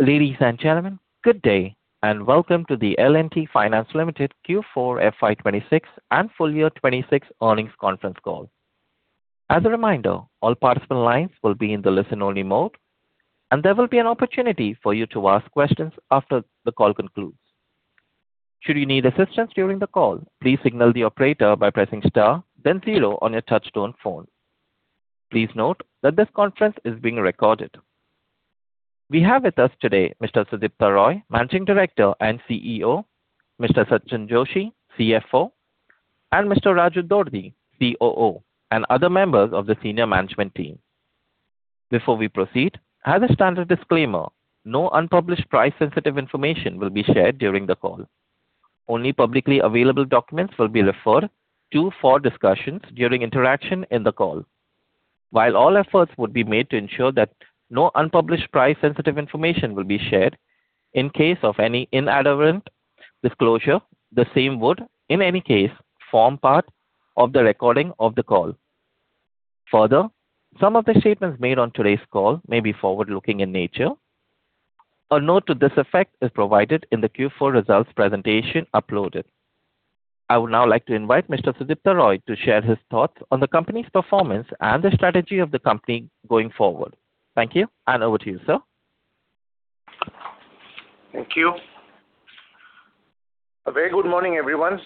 Ladies and gentlemen, good day, and welcome to the L&T Finance Limited Q4 FY 2026 and FY 2026 earnings conference call. As a reminder, all participant lines will be in the listen-only mode, and there will be an opportunity for you to ask questions after the call concludes. Should you need assistance during the call, please signal the operator by pressing star then zero on your touch-tone phone. Please note that this conference is being recorded. We have with us today Mr. Sudipta Roy, Managing Director and CEO, Mr. Sachinn Joshi, CFO, and Mr. Raju Dodti, COO, and other members of the senior management team. Before we proceed, as a standard disclaimer, no unpublished price sensitive information will be shared during the call. Only publicly available documents will be referred to for discussions during interaction in the call. While all efforts will be made to ensure that no unpublished price sensitive information will be shared, in case of any inadvertent disclosure, the same would in any case form part of the recording of the call. Further, some of the statements made on today's call may be forward-looking in nature. A note to this effect is provided in the Q4 results presentation uploaded. I would now like to invite Mr. Sudipta Roy to share his thoughts on the company's performance and the strategy of the company going forward. Thank you, and over to you, sir. Thank you. A very good morning, everyone.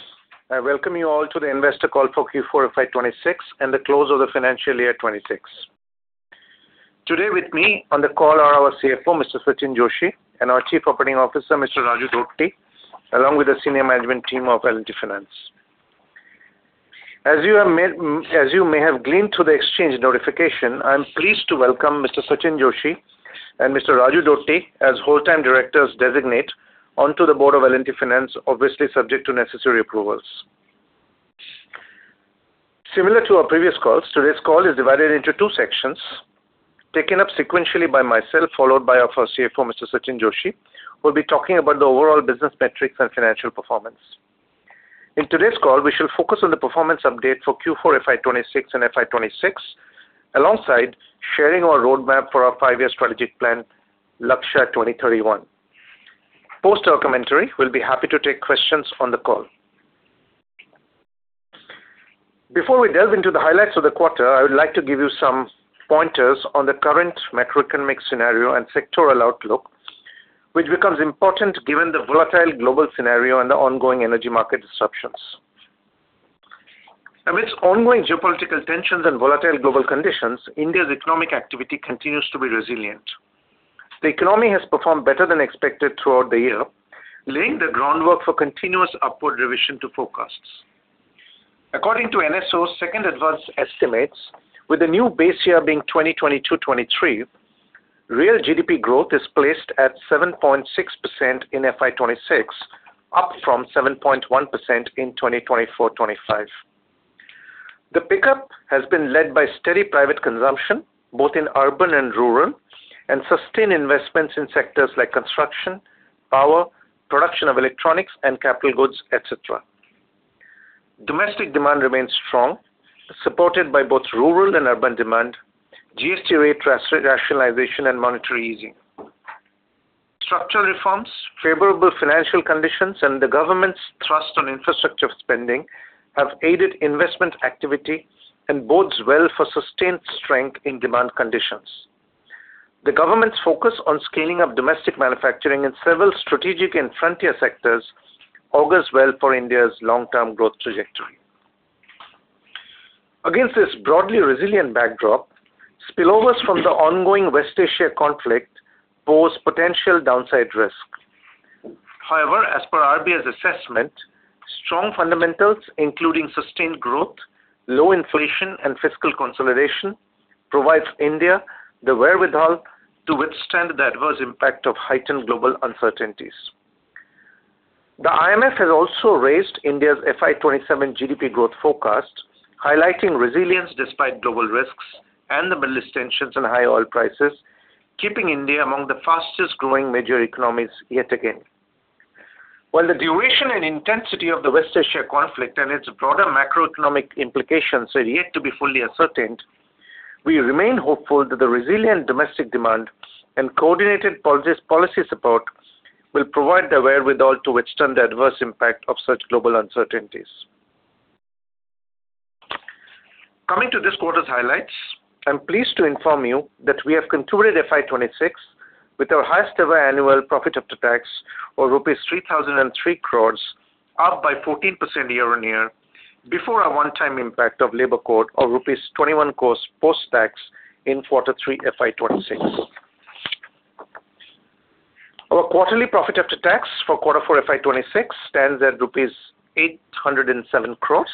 I welcome you all to the investor call for Q4 FY 2026 and the close of the financial year 2026. Today with me on the call are our CFO, Mr. Sachinn Joshi, and our Chief Operating Officer, Mr. Raju Dodti, along with the senior management team of L&T Finance. As you may have gleaned through the exchange notification, I'm pleased to welcome Mr. Sachinn Joshi and Mr. Raju Dodti as whole-time directors designate onto the board of L&T Finance, obviously subject to necessary approvals. Similar to our previous calls, today's call is divided into two sections, taken up sequentially by myself, followed by our CFO, Mr. Sachinn Joshi, who will be talking about the overall business metrics and financial performance. In today's call, we shall focus on the performance update for Q4 FY 2026 and FY 2026, alongside sharing our roadmap for our five-year strategic plan, Lakshya 2031. Post our commentary, we'll be happy to take questions on the call. Before we delve into the highlights of the quarter, I would like to give you some pointers on the current macroeconomic scenario and sectoral outlook, which becomes important given the volatile global scenario and the ongoing energy market disruptions. Amidst ongoing geopolitical tensions and volatile global conditions, India's economic activity continues to be resilient. The economy has performed better than expected throughout the year, laying the groundwork for continuous upward revision to forecasts. According to NSO's second advanced estimates, with the new base year being 2020-2023, real GDP growth is placed at 7.6% in FY 2026, up from 7.1% in 2024-2025. The pickup has been led by steady private consumption, both in urban and rural, and sustained investments in sectors like construction, power, production of electronics and capital goods, et cetera. Domestic demand remains strong, supported by both rural and urban demand, GST rate rationalization and monetary easing. Structural reforms, favorable financial conditions, and the government's thrust on infrastructure spending have aided investment activity and bodes well for sustained strength in demand conditions. The government's focus on scaling up domestic manufacturing in several strategic and frontier sectors augurs well for India's long-term growth trajectory. Against this broadly resilient backdrop, spillovers from the ongoing West Asia conflict pose potential downside risk. However, as per RBI's assessment, strong fundamentals, including sustained growth, low inflation, and fiscal consolidation, provides India the wherewithal to withstand the adverse impact of heightened global uncertainties. The IMF has also raised India's FY 2027 GDP growth forecast, highlighting resilience despite global risks and the Middle East tensions and high oil prices, keeping India among the fastest-growing major economies yet again. While the duration and intensity of the West Asia conflict and its broader macroeconomic implications are yet to be fully ascertained, we remain hopeful that the resilient domestic demand and coordinated policies, policy support will provide the wherewithal to withstand the adverse impact of such global uncertainties. Coming to this quarter's highlights, I'm pleased to inform you that we have concluded FY 2026 with our highest ever annual profit after tax of rupees 3,003 crore, up 14% year-on-year, before our one-time impact of labor court of rupees 21 crore post-tax in quarter three FY 2026. Our quarterly profit after tax for quarter four FY 2026 stands at rupees 807 crore,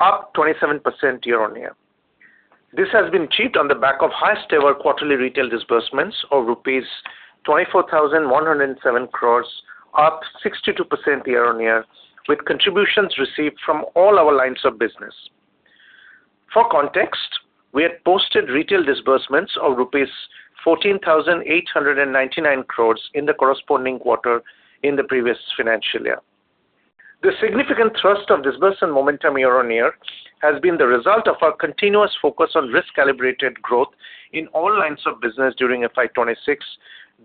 up 27% year-on-year. This has been achieved on the back of highest ever quarterly retail disbursements of rupees 24,107 crore, up 62% year-on-year, with contributions received from all our lines of business. For context, we had posted retail disbursements of rupees 14,899 crore in the corresponding quarter in the previous financial year. The significant thrust of disbursement momentum year-on-year has been the result of our continuous focus on risk-calibrated growth in all lines of business during FY 2026,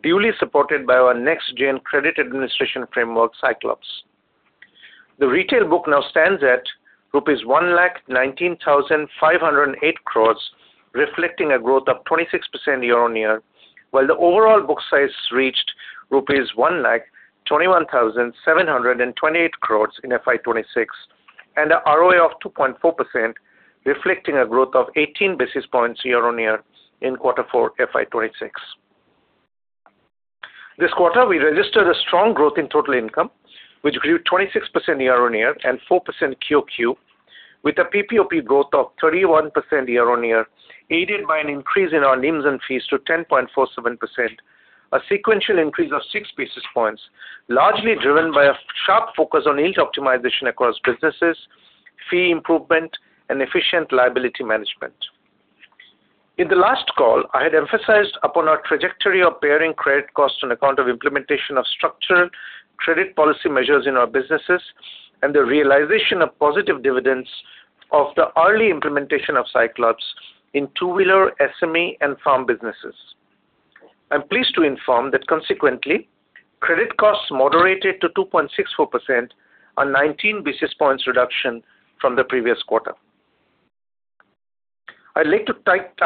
duly supported by our next-gen credit administration framework, Cyclops. The retail book now stands at rupees 119,508 crore, reflecting a growth of 26% year-on-year, while the overall book size reached rupees 121,728 crore in FY 2026 and a ROE of 2.4%, reflecting a growth of 18 basis points year-on-year in quarter four, FY 2026. This quarter, we registered a strong growth in total income, which grew 26% year-on-year and 4% QOQ, with a PPOP growth of 31% year-on-year, aided by an increase in our NIMs and fees to 10.47%, a sequential increase of 6 basis points, largely driven by a sharp focus on yield optimization across businesses, fee improvement and efficient liability management. In the last call, I had emphasized upon our trajectory of bearing credit costs on account of implementation of structural credit policy measures in our businesses and the realization of positive dividends of the early implementation of Cyclops in two-wheeler SME and farm businesses. I'm pleased to inform that consequently, credit costs moderated to 2.64%, a 19 basis points reduction from the previous quarter. I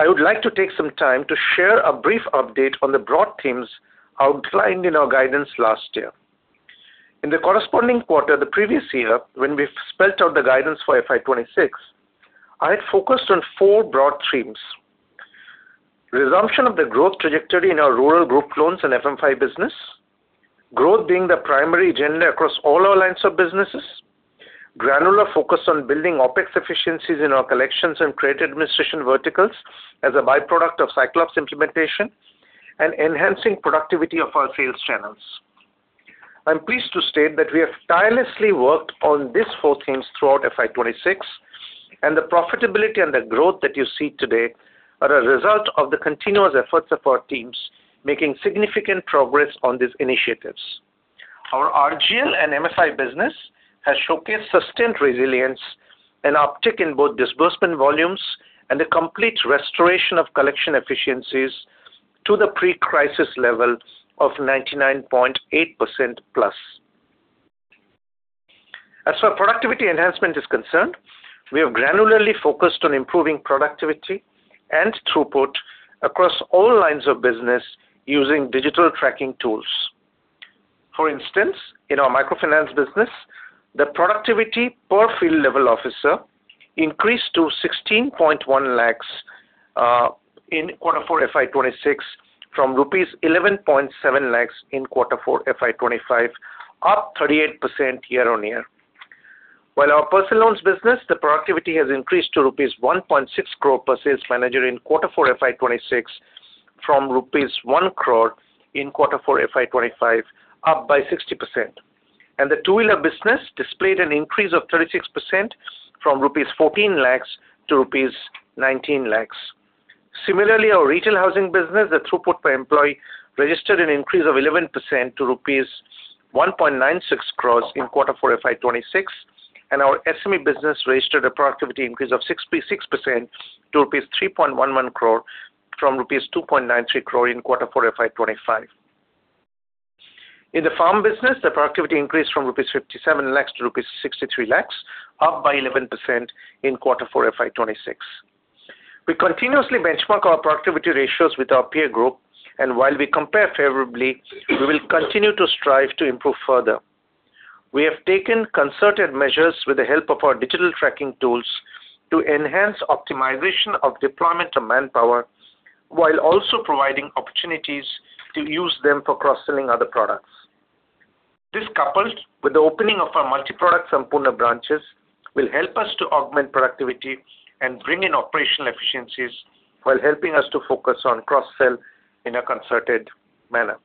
would like to take some time to share a brief update on the broad themes outlined in our guidance last year. In the corresponding quarter the previous year when we spelled out the guidance for FY 2026, I had focused on four broad themes. Resumption of the growth trajectory in our rural group loans and MFI business. Growth being the primary agenda across all our lines of businesses. Granular focus on building OpEx efficiencies in our collections and credit administration verticals as a by-product of Cyclops implementation. Enhancing productivity of our sales channels. I'm pleased to state that we have tirelessly worked on these four themes throughout FY 2026, and the profitability and the growth that you see today are a result of the continuous efforts of our teams making significant progress on these initiatives. Our RGL and MFI business has showcased sustained resilience, an uptick in both disbursement volumes and a complete restoration of collection efficiencies to the pre-crisis levels of 99.8%+. As far as productivity enhancement is concerned, we have granularly focused on improving productivity and throughput across all lines of business using digital tracking tools. For instance, in our microfinance business, the productivity per field level officer increased to 16.1 lakhs in quarter four, FY 2025, up 38% year-on-year. While our Personal Loans business, the productivity has increased to rupees 1.6 crore per sales manager in quarter four, FY 2026 from rupees 1 crore in quarter four, FY 2025, up by 60%. The Two-Wheeler business displayed an increase of 36% from rupees 14 lakhs to rupees 19 lakhs. Similarly, our retail housing business, the throughput per employee registered an increase of 11% to rupees 1.96 crore in quarter four, FY 2026, and our SME business registered a productivity increase of 66% to rupees 3.11 crore from rupees 2.93 crore in quarter four, FY 2025. In the farm business, the productivity increased from rupees 57 lakh to rupees 63 lakh, up by 11% in quarter four, FY 2026. We continuously benchmark our productivity ratios with our peer group, and while we compare favorably, we will continue to strive to improve further. We have taken concerted measures with the help of our digital tracking tools to enhance optimization of deployment of manpower while also providing opportunities to use them for cross-selling other products. This, coupled with the opening of our multiproduct Sampoorna branches, will help us to augment productivity and bring in operational efficiencies while helping us to focus on cross-sell in a concerted manner.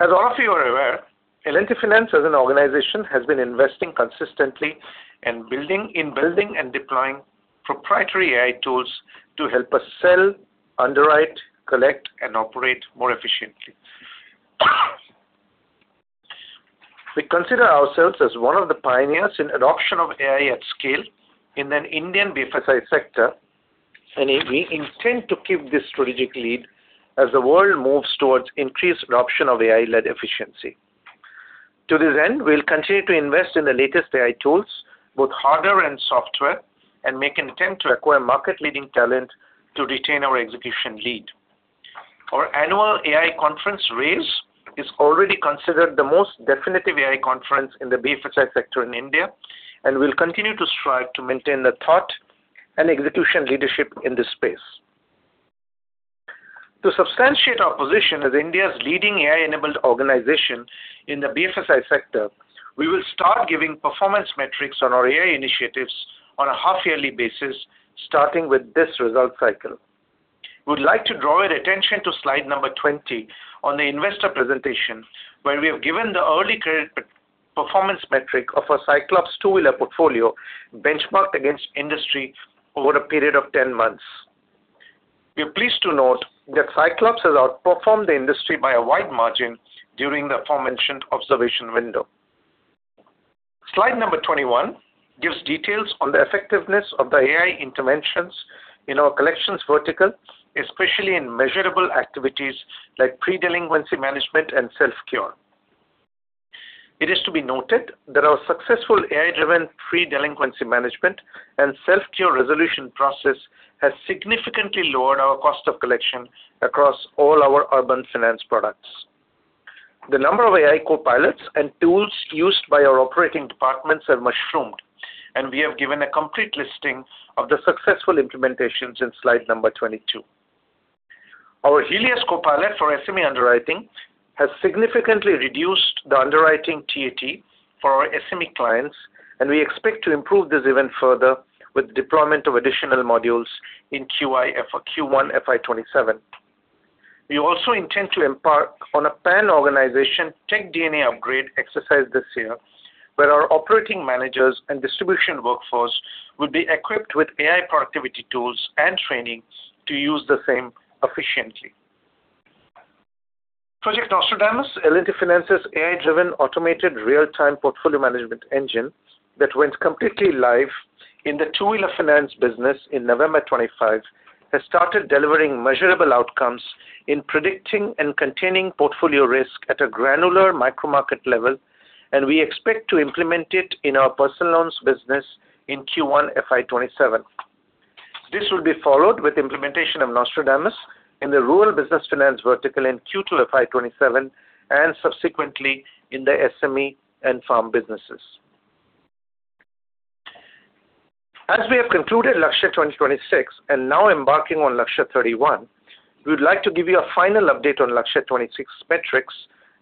As all of you are aware, L&T Finance as an organization has been investing consistently and building and deploying proprietary AI tools to help us sell, underwrite, collect, and operate more efficiently. We consider ourselves as one of the pioneers in adoption of AI at scale in an Indian BFSI sector, and we intend to keep this strategic lead as the world moves towards increased adoption of AI-led efficiency. To this end, we'll continue to invest in the latest AI tools, both hardware and software, and may contend to acquire market-leading talent to retain our execution lead. Our annual AI conference, RAISE, is already considered the most definitive AI conference in the BFSI sector in India and will continue to strive to maintain the thought and execution leadership in this space. To substantiate our position as India's leading AI-enabled organization in the BFSI sector, we will start giving performance metrics on our AI initiatives on a half-yearly basis starting with this result cycle. We'd like to draw your attention to slide number 20 on the investor presentation, where we have given the early credit performance metric of our Cyclops two-wheeler portfolio benchmarked against industry over a period of 10 months. We are pleased to note that Cyclops has outperformed the industry by a wide margin during the aforementioned observation window. Slide number 21 gives details on the effectiveness of the AI interventions in our collections vertical, especially in measurable activities like pre-delinquency management and self-cure. It is to be noted that our successful AI-driven pre-delinquency management and self-cure resolution process has significantly lowered our cost of collection across all our urban finance products. The number of AI copilots and tools used by our operating departments have mushroomed, and we have given a complete listing of the successful implementations in slide number 22. Our Helios copilot for SME underwriting has significantly reduced the underwriting TAT for our SME clients, and we expect to improve this even further with deployment of additional modules in Q1 FY 2027. We also intend to impart on a pan-organization tech DNA upgrade exercise this year, where our operating managers and distribution workforce will be equipped with AI productivity tools and training to use the same efficiently. Project Nostradamus, L&T Finance's AI-driven automated real-time portfolio management engine that went completely live in the Two-Wheeler Finance business in November 2025, has started delivering measurable outcomes in predicting and containing portfolio risk at a granular micro-market level. We expect to implement it in our Personal Loans business in Q1 FY 2027. This will be followed with implementation of Nostradamus in the Rural Business Finance vertical in Q2 FY 2027 and subsequently in the SME and farm businesses. As we have concluded Lakshya 2026 and now embarking on Lakshya 2031, we would like to give you a final update on Lakshya 2026 metrics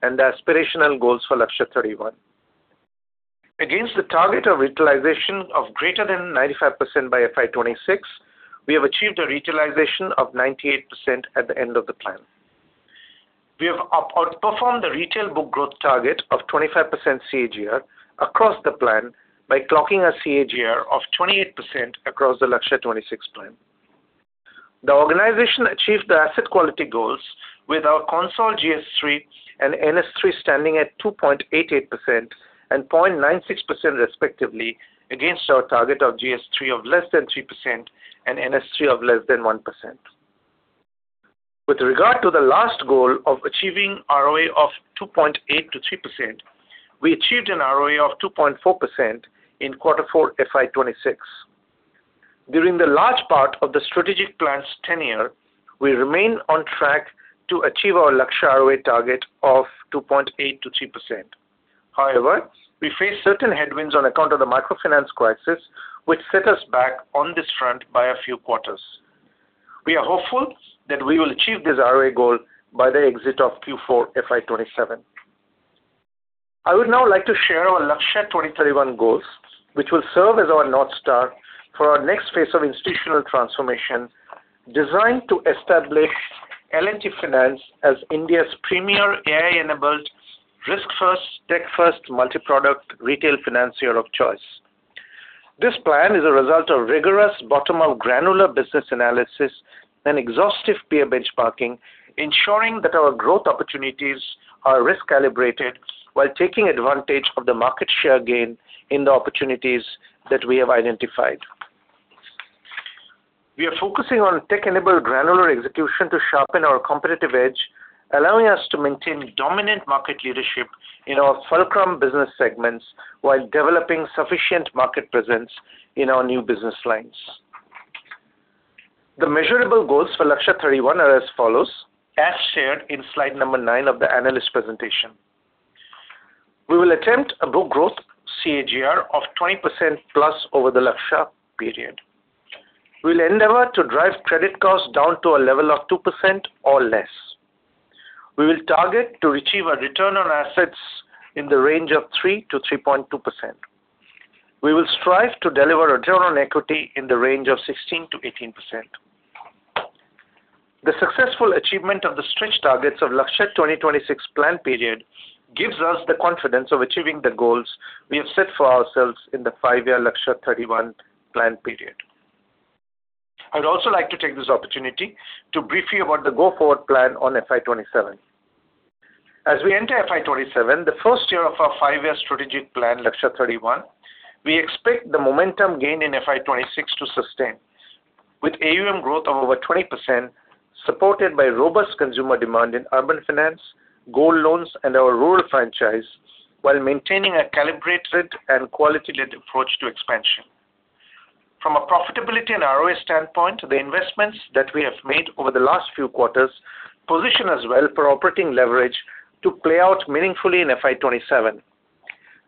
and the aspirational goals for Lakshya 2031. Against the target of retailization of greater than 95% by FY 2026, we have achieved a retailization of 98% at the end of the plan. We have outperformed the retail book growth target of 25% CAGR across the plan by clocking a CAGR of 28% across the Lakshya 2026 plan. The organization achieved the asset quality goals with our Consol GS3 and NS3 standing at 2.88% and 0.96% respectively against our target of GS3 of less than 3% and NS3 of less than 1%. With regard to the last goal of achieving ROA of 2.8%-3%, we achieved an ROA of 2.4% in Q4 FY 2026. During the large part of the strategic plan's tenure, we remain on track to achieve our Lakshya ROA target of 2.8%-3%. However, we face certain headwinds on account of the microfinance crisis which set us back on this front by a few quarters. We are hopeful that we will achieve this ROA goal by the exit of Q4 FY 2027. I would now like to share our Lakshya 2031 goals, which will serve as our north star for our next phase of institutional transformation designed to establish L&T Finance as India's premier AI-enabled, risk-first, tech-first, multiproduct retail financier of choice. This plan is a result of rigorous bottom-up granular business analysis and exhaustive peer benchmarking, ensuring that our growth opportunities are risk-calibrated while taking advantage of the market share gain in the opportunities that we have identified. We are focusing on tech-enabled granular execution to sharpen our competitive edge, allowing us to maintain dominant market leadership in our fulcrum business segments while developing sufficient market presence in our new business lines. The measurable goals for Lakshya 2031 are as follows, as shared in slide number nine of the analyst presentation. We will attempt a book growth CAGR of 20%+ over the Lakshya period. We will endeavor to drive credit costs down to a level of 2% or less. We will target to achieve a return on assets in the range of 3%-3.2%. We will strive to deliver a return on equity in the range of 16%-18%. The successful achievement of the stretch targets of Lakshya 2026 plan period gives us the confidence of achieving the goals we have set for ourselves in the five-year Lakshya 2031 plan period. I would also like to take this opportunity to brief you about the go-forward plan on FY 2027. As we enter FY 2027, the first year of our five-year strategic plan, Lakshya 2031, we expect the momentum gained in FY 2026 to sustain with AUM growth of over 20%, supported by robust consumer demand in urban finance, gold loans, and our rural franchise while maintaining a calibrated and quality-led approach to expansion. From a profitability and ROA standpoint, the investments that we have made over the last few quarters position us well for operating leverage to play out meaningfully in FY 2027.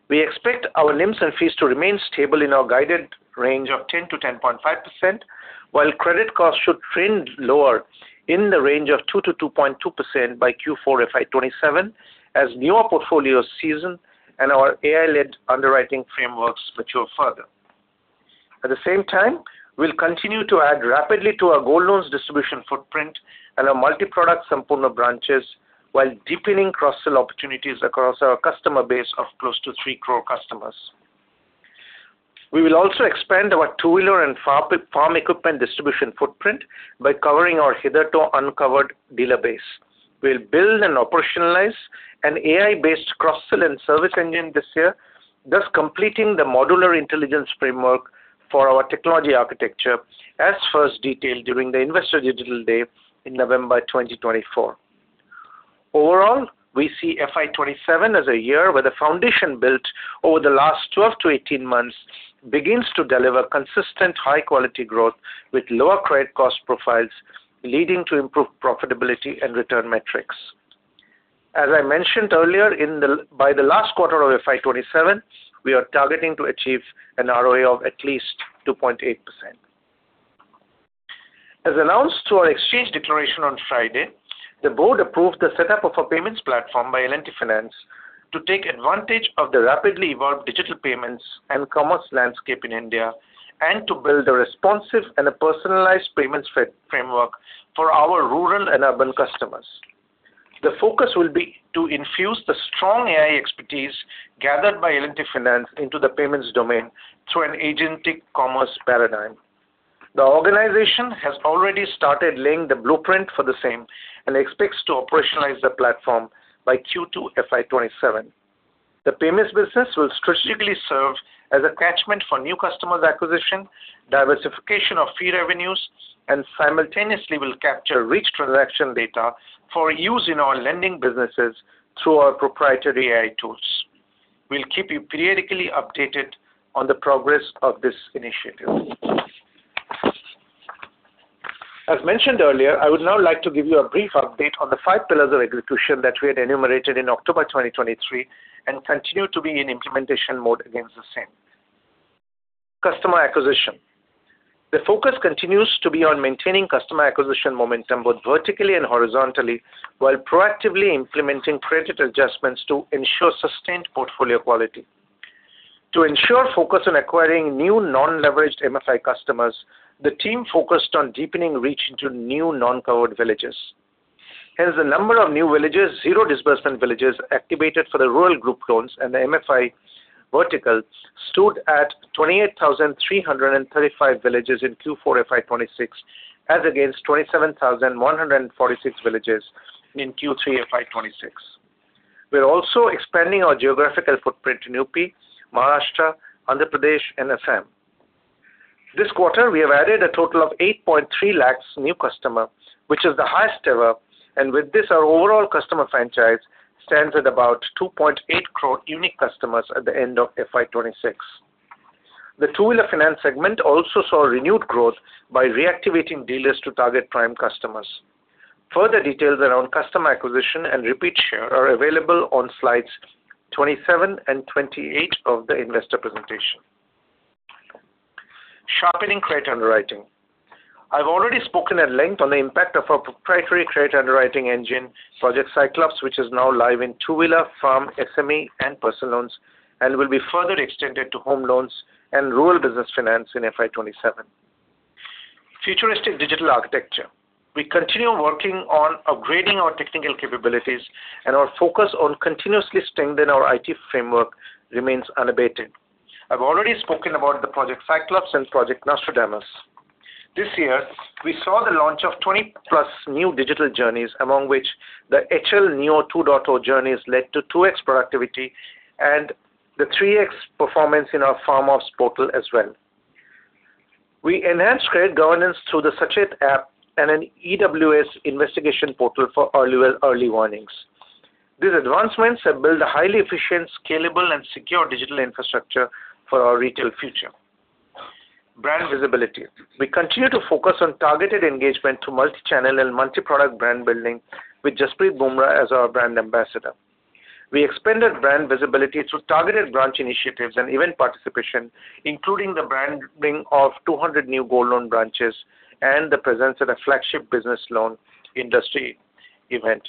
We expect our NIMs and fees to remain stable in our guided range of 10%-10.5%, while credit costs should trend lower in the range of 2%-2.2% by Q4 FY 2027 as newer portfolios season and our AI-led underwriting frameworks mature further. At the same time, we'll continue to add rapidly to our gold loans distribution footprint and our multiproduct Sampoorna branches while deepening cross-sell opportunities across our customer base of close to 3 crore customers. We will also expand our two-wheeler and farm equipment distribution footprint by covering our hitherto uncovered dealer base. We'll build and operationalize an AI-based cross-sell and service engine this year, thus completing the modular intelligence framework for our technology architecture as first detailed during the Investor Digital Day in November 2024. Overall, we see FY 2027 as a year where the foundation built over the last 12-18 months begins to deliver consistent high-quality growth with lower credit cost profiles, leading to improved profitability and return metrics. As I mentioned earlier, by the last quarter of FY 2027, we are targeting to achieve an ROE of at least 2.8%. As announced through our exchange declaration on Friday, the board approved the setup of a payments platform by L&T Finance to take advantage of the rapidly evolved digital payments and commerce landscape in India and to build a responsive and a personalized payments framework for our rural and urban customers. The focus will be to infuse the strong AI expertise gathered by L&T Finance into the payments domain through an agentic commerce paradigm. The organization has already started laying the blueprint for the same and expects to operationalize the platform by Q2 FY 2027. The payments business will strategically serve as a catchment for new customer acquisition, diversification of fee revenues, and simultaneously will capture rich transaction data for use in our lending businesses through our proprietary AI tools. We'll keep you periodically updated on the progress of this initiative. As mentioned earlier, I would now like to give you a brief update on the five pillars of execution that we had enumerated in October 2023 and continue to be in implementation mode against the same. Customer acquisition. The focus continues to be on maintaining customer acquisition momentum, both vertically and horizontally, while proactively implementing credit adjustments to ensure sustained portfolio quality. To ensure focus on acquiring new non-leveraged MFI customers, the team focused on deepening reach into new non-covered villages. Hence, the number of new villages, zero disbursement villages activated for the rural group loans and the MFI vertical stood at 28,335 villages in Q4 FY 2026, as against 27,146 villages in Q3 FY 2026. We are also expanding our geographical footprint in UP, Maharashtra, Andhra Pradesh, and Assam. This quarter, we have added a total of 8.3 lakh new customer, which is the highest ever, and with this, our overall customer franchise stands at about 2.8 crore unique customers at the end of FY 2026. The two-wheeler finance segment also saw renewed growth by reactivating dealers to target prime customers. Further details around customer acquisition and repeat share are available on slides 27 and 28 of the investor presentation. Sharpening credit underwriting. I've already spoken at length on the impact of our proprietary credit underwriting engine, Project Cyclops, which is now live in two-wheeler, farm, SME, and personal loans and will be further extended to home loans and rural business finance in FY 2027. Futuristic digital architecture. We continue working on upgrading our technical capabilities, and our focus on continuously strengthening our IT framework remains unabated. I've already spoken about the Project Cyclops and Project Nostradamus. This year, we saw the launch of 20+ new digital journeys, among which the HL Neo 2.0 journeys led to 2x productivity and the 3x performance in our FarmOps portal as well. We enhanced credit governance through the Sachet app and an EWS investigation portal for early warnings. These advancements have built a highly efficient, scalable, and secure digital infrastructure for our retail future. Brand visibility. We continue to focus on targeted engagement through multi-channel and multi-product brand building with Jasprit Bumrah as our brand ambassador. We expanded brand visibility through targeted branch initiatives and event participation, including the branding of 200 new Gold Loan branches and the presence at a flagship business loan industry event.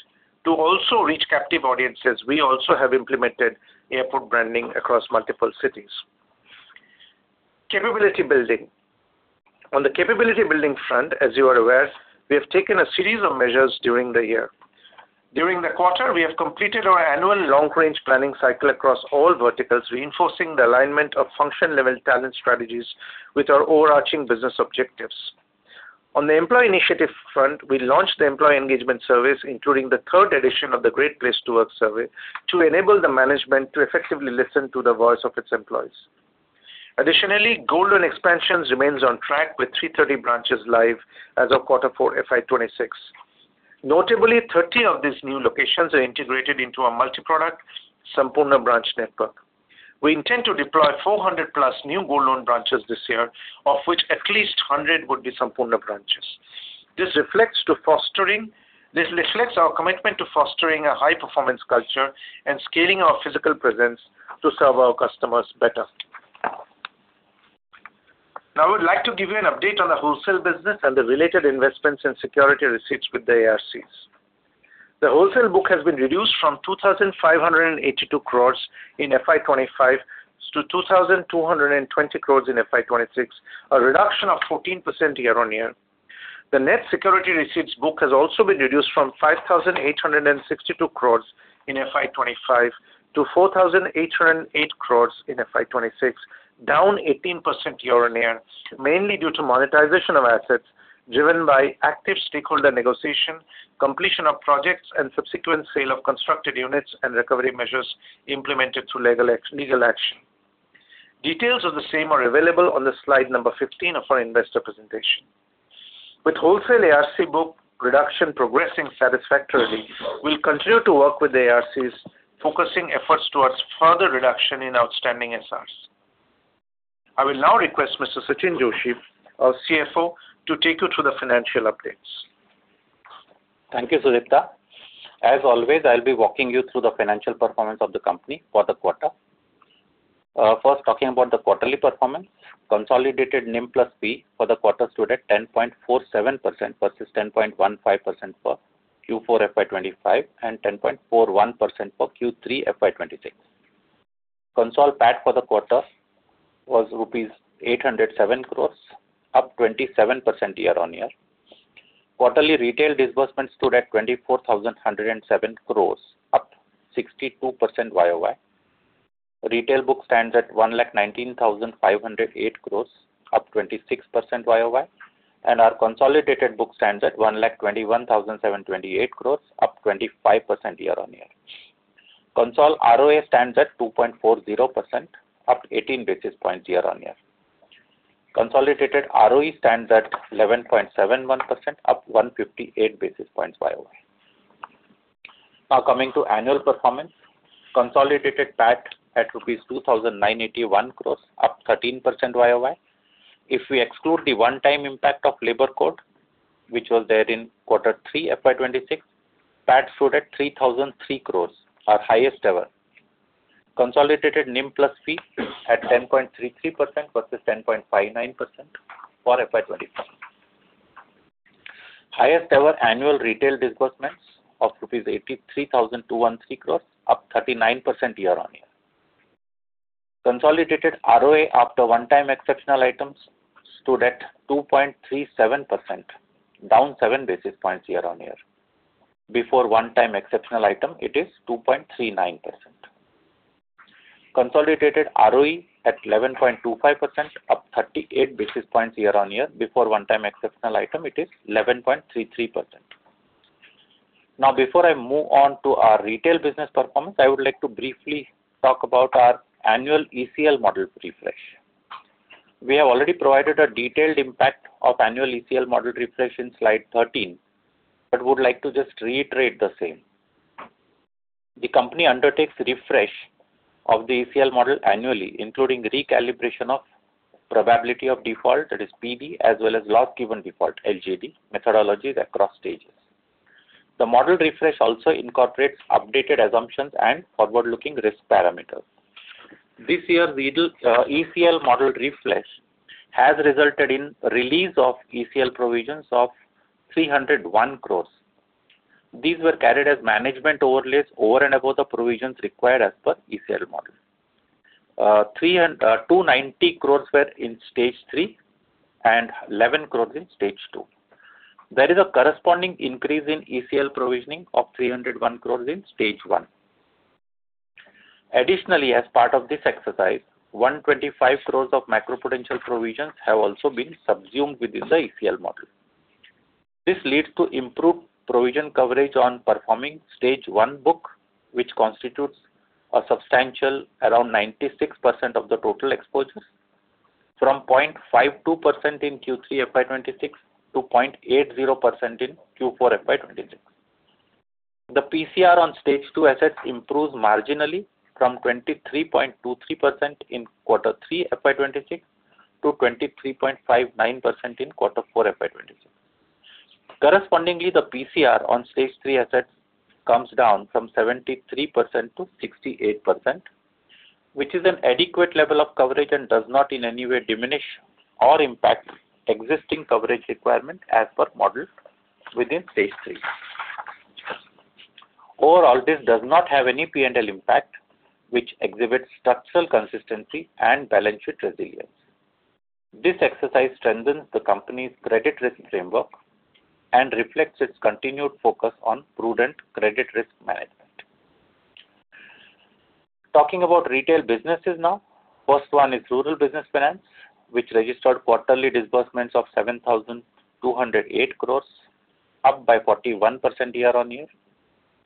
To also reach captive audiences, we also have implemented airport branding across multiple cities. Capability building. On the capability building front, as you are aware, we have taken a series of measures during the year. During the quarter, we have completed our annual long-range planning cycle across all verticals, reinforcing the alignment of function-level talent strategies with our overarching business objectives. On the employee initiative front, we launched the employee engagement surveys, including the third edition of the Great Place to Work survey, to enable the management to effectively listen to the voice of its employees. Additionally, Gold Loan expansions remains on track with 330 branches live as of quarter four FY 2026. Notably, 30 of these new locations are integrated into our multi-product Sampoorna branch network. We intend to deploy 400+ new Gold Loan branches this year, of which at least 100 would be Sampoorna branches. This reflects our commitment to fostering a high-performance culture and scaling our physical presence to serve our customers better. Now, I would like to give you an update on the wholesale business and the related investments and security receipts with the ARCs. The wholesale book has been reduced from 2,582 crore in FY 2025 to 2,220 crore in FY 2026, a reduction of 14% year-on-year. The net security receipts book has also been reduced from 5,862 crore in FY 2025 to 4,808 crore in FY 2026, down 18% year-on-year, mainly due to monetization of assets driven by active stakeholder negotiation, completion of projects and subsequent sale of constructed units and recovery measures implemented through legal and extra-legal action. Details of the same are available on the slide number 15 of our investor presentation. With wholesale ARC book reduction progressing satisfactorily, we'll continue to work with ARCs, focusing efforts towards further reduction in outstanding SRs. I will now request Mr. Sachinn Joshi, our CFO, to take you through the financial updates. Thank you, Sudipta. As always, I'll be walking you through the financial performance of the company for the quarter. First talking about the quarterly performance. Consolidated NIM plus fee for the quarter stood at 10.47% versus 10.15% for Q4 FY 2025 and 10.41% for Q3 FY 2026. Consol PAT for the quarter was rupees 807 crore, up 27% year-over-year. Quarterly retail disbursements stood at 24,107 crore, up 62% YoY. Retail book stands at 119,508 crore, up 26% YoY, and our consolidated book stands at 121,728 crore, up 25% year-over-year. Consol ROA stands at 2.40%, up 18 basis points year-over-year. Consolidated ROE stands at 11.71%, up 158 basis points YoY. Now, coming to annual performance. Consolidated PAT at rupees 2,981 crore, up 13% YoY. If we exclude the one-time impact of Labor Code, which was there in Q3 FY 2026, PAT stood at 3,003 crore, our highest ever. Consolidated NIM plus fee at 10.33% versus 10.59% for FY 2025. Highest ever annual retail disbursements of rupees 83,213 crore, up 39% year-on-year. Consolidated ROA after one-time exceptional items stood at 2.37%, down 7 basis points year-on-year. Before one-time exceptional item, it is 2.39%. Consolidated ROE at 11.25%, up 38 basis points year-on-year. Before one-time exceptional item, it is 11.33%. Now, before I move on to our retail business performance, I would like to briefly talk about our annual ECL model refresh. We have already provided a detailed impact of annual ECL model refresh in slide 13, but would like to just reiterate the same. The company undertakes refresh of the ECL model annually, including recalibration of probability of default, that is PD, as well as loss given default, LGD, methodologies across stages. The model refresh also incorporates updated assumptions and forward-looking risk parameters. This year's ECL model refresh has resulted in release of ECL provisions of 301 crore. These were carried as management overlays over and above the provisions required as per ECL model. 290 crore were in Stage 3 and 11 crore in Stage 2. There is a corresponding increase in ECL provisioning of 301 crore in Stage 1. Additionally, as part of this exercise, 125 crore of macro potential provisions have also been subsumed within the ECL model. This leads to improved provision coverage on performing Stage 1 book, which constitutes a substantial around 96% of the total exposures from 0.52% in Q3 FY 2026 to 0.80% in Q4 FY 2026. The PCR on Stage 2 assets improves marginally from 23.23% in quarter three FY 2026 to 23.59% in quarter four FY 2026. Correspondingly, the PCR on Stage 3 assets comes down from 73% to 68%, which is an adequate level of coverage and does not in any way diminish or impact existing coverage requirement as per model within Stage 3. Overall, this does not have any P&L impact, which exhibits structural consistency and balance sheet resilience. This exercise strengthens the company's credit risk framework and reflects its continued focus on prudent credit risk management. Talking about retail businesses now. First one is Rural Business Finance, which registered quarterly disbursements of 7,208 crore, up 41% year-on-year,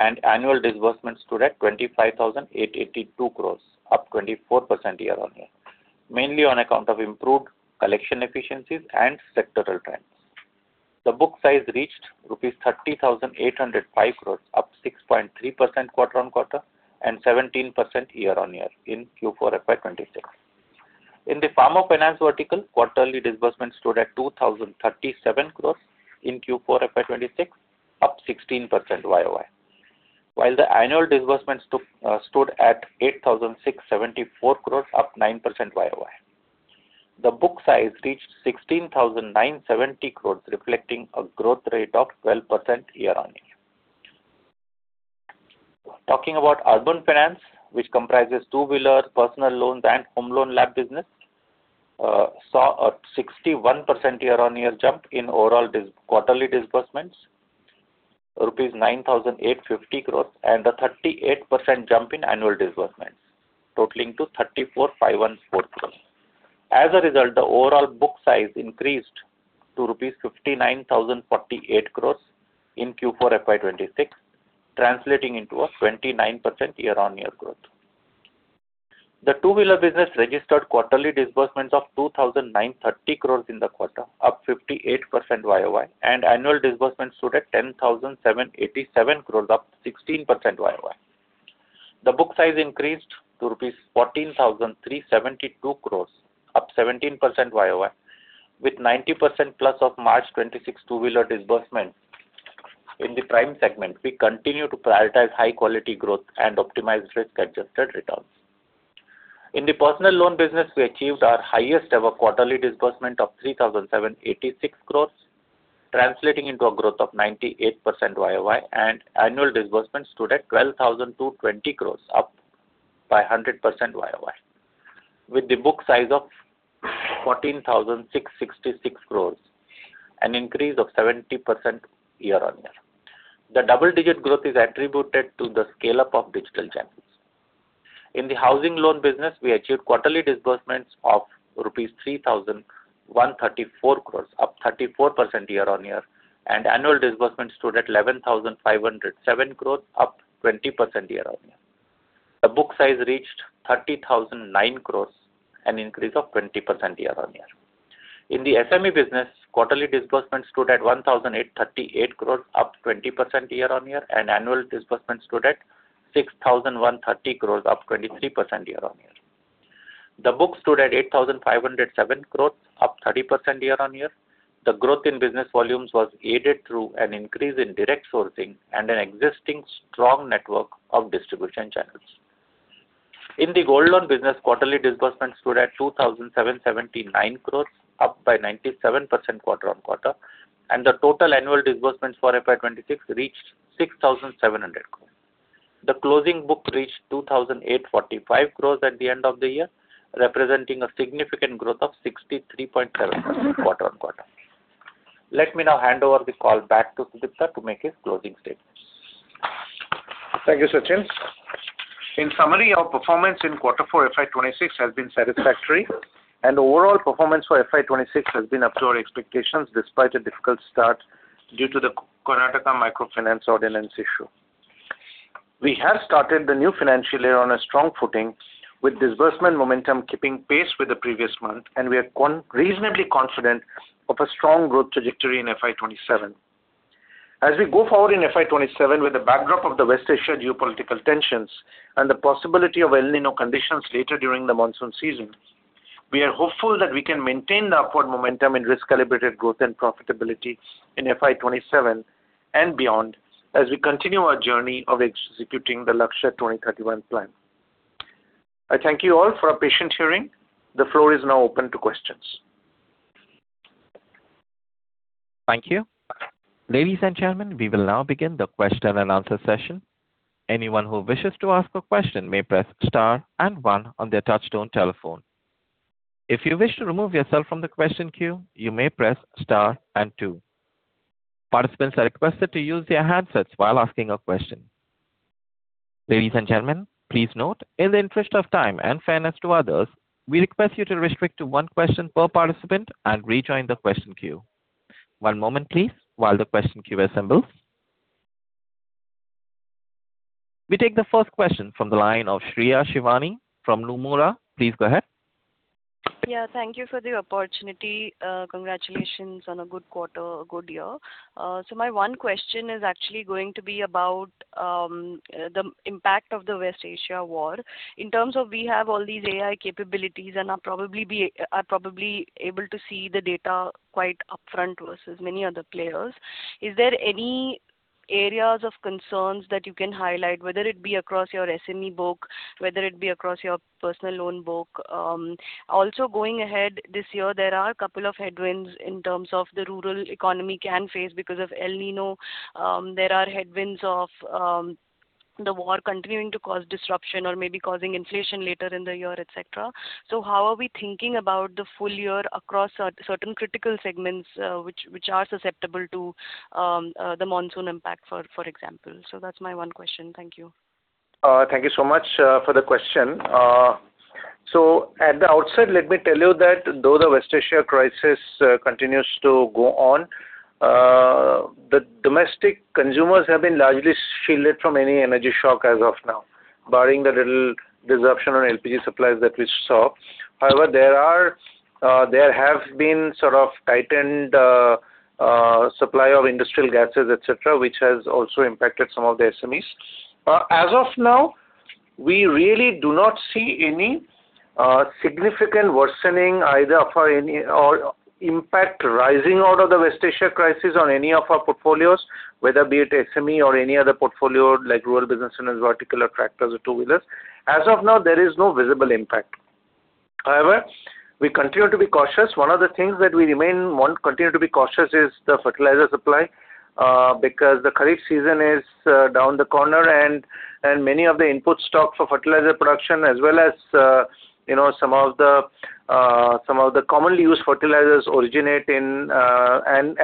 and annual disbursements stood at 25,882 crore, up 24% year-on-year, mainly on account of improved collection efficiencies and sectoral trends. The book size reached rupees 30,805 crore, up 6.3% quarter-on-quarter and 17% year-on-year in Q4 FY 2026. In the farm finance vertical, quarterly disbursements stood at 2,037 crore in Q4 FY 2026, up 16% YoY. While the annual disbursements took. Stood at 8,674 crore, up 9% YoY. The book size reached 16,970 crore, reflecting a growth rate of 12% year-over-year. Talking about urban finance, which comprises Two-Wheeler, Personal Loans, and Home Loan & LAP business, saw a 61% year-over-year jump in overall quarterly disbursements, rupees 9,850 crore, and a 38% jump in annual disbursements totaling to 34,514 crore. As a result, the overall book size increased to rupees 59,048 crore in Q4 FY 2026, translating into a 29% year-over-year growth. The Two-Wheeler business registered quarterly disbursements of 2,930 crore in the quarter, up 58% YoY, and annual disbursements stood at 10,787 crore, up 16% YoY. The book size increased to rupees 14,372 crore, up 17% YoY with 90%+ of March 2026 two-wheeler disbursements. In the Prime segment, we continue to prioritize high quality growth and optimize risk-adjusted returns. In the Personal Loan business, we achieved our highest ever quarterly disbursement of 3,786 crore, translating into a growth of 98% YoY and annual disbursements stood at 12,220 crore, up by 100% YoY with the book size of 14,666 crore, an increase of 70% year-on-year. The double-digit growth is attributed to the scale-up of digital channels. In the housing loan business, we achieved quarterly disbursements of rupees 3,134 crore, up 34% year-on-year and annual disbursements stood at 11,507 crore, up 20% year-on-year. The book size reached 30,009 crore, an increase of 20% year-on-year. In the SME business, quarterly disbursements stood at 1,838 crore, up 20% year-on-year, and annual disbursements stood at 6,130 crore, up 23% year-on-year. The book stood at 8,507 crore, up 30% year-on-year. The growth in business volumes was aided through an increase in direct sourcing and an existing strong network of distribution channels. In the Gold Loan business, quarterly disbursements stood at 2,779 crore, up by 97% quarter-on-quarter and the total annual disbursements for FY 2026 reached 6,700 crore. The closing book reached 2,845 crore at the end of the year, representing a significant growth of 63.7% quarter-on-quarter. Let me now hand over the call back to Sudipta to make his closing statements. Thank you, Sachinn. In summary, our performance in Q4 FY 2026 has been satisfactory and overall performance for FY 2026 has been up to our expectations despite a difficult start due to the Karnataka Microfinance Ordinance issue. We have started the new financial year on a strong footing with disbursement momentum keeping pace with the previous month, and we are reasonably confident of a strong growth trajectory in FY 2027. As we go forward in FY 2027 with the backdrop of the West Asia geopolitical tensions and the possibility of El Niño conditions later during the monsoon season, we are hopeful that we can maintain the upward momentum in risk-calibrated growth and profitability in FY 2027 and beyond as we continue our journey of executing the Lakshya 2031 plan. I thank you all for your patient hearing. The floor is now open to questions. Thank you. Ladies and gentlemen, we will now begin the question and answer session. Anyone who wishes to ask a question may press star and one on their touch-tone telephone. If you wish to remove yourself from the question queue, you may press star and two. Participants are requested to use their handsets while asking a question. Ladies and gentlemen, please note, in the interest of time and fairness to others, we request you to restrict to one question per participant and rejoin the question queue. One moment please while the question queue assembles. We take the first question from the line of Shreya Shivani from Nomura. Please go ahead. Yeah, thank you for the opportunity. Congratulations on a good quarter, a good year. My one question is actually going to be about the impact of the West Asia war. In terms of we have all these AI capabilities and are probably able to see the data quite upfront versus many other players. Is there any areas of concerns that you can highlight, whether it be across your SME book, whether it be across your personal loan book? Also going ahead this year, there are a couple of headwinds in terms of the rural economy can face because of El Niño. There are headwinds of the war continuing to cause disruption or maybe causing inflation later in the year, et cetera. How are we thinking about the full year across certain critical segments, which are susceptible to the monsoon impact, for example? That's my one question. Thank you. Thank you so much for the question. At the outset, let me tell you that though the West Asia crisis continues to go on, the domestic consumers have been largely shielded from any energy shock as of now, barring the little disruption on LPG supplies that we saw. However, there have been sort of tightened supply of industrial gases, et cetera, which has also impacted some of the SMEs. As of now, we really do not see any significant worsening or any impact arising out of the West Asia crisis on any of our portfolios, whether it be SME or any other portfolio like rural business and ag vertical or tractors or two-wheelers. As of now, there is no visible impact. However, we continue to be cautious. One of the things that we continue to be cautious is the fertilizer supply, because the kharif season is around the corner and many of the input stock for fertilizer production as well as, you know, some of the commonly used fertilizers originate in and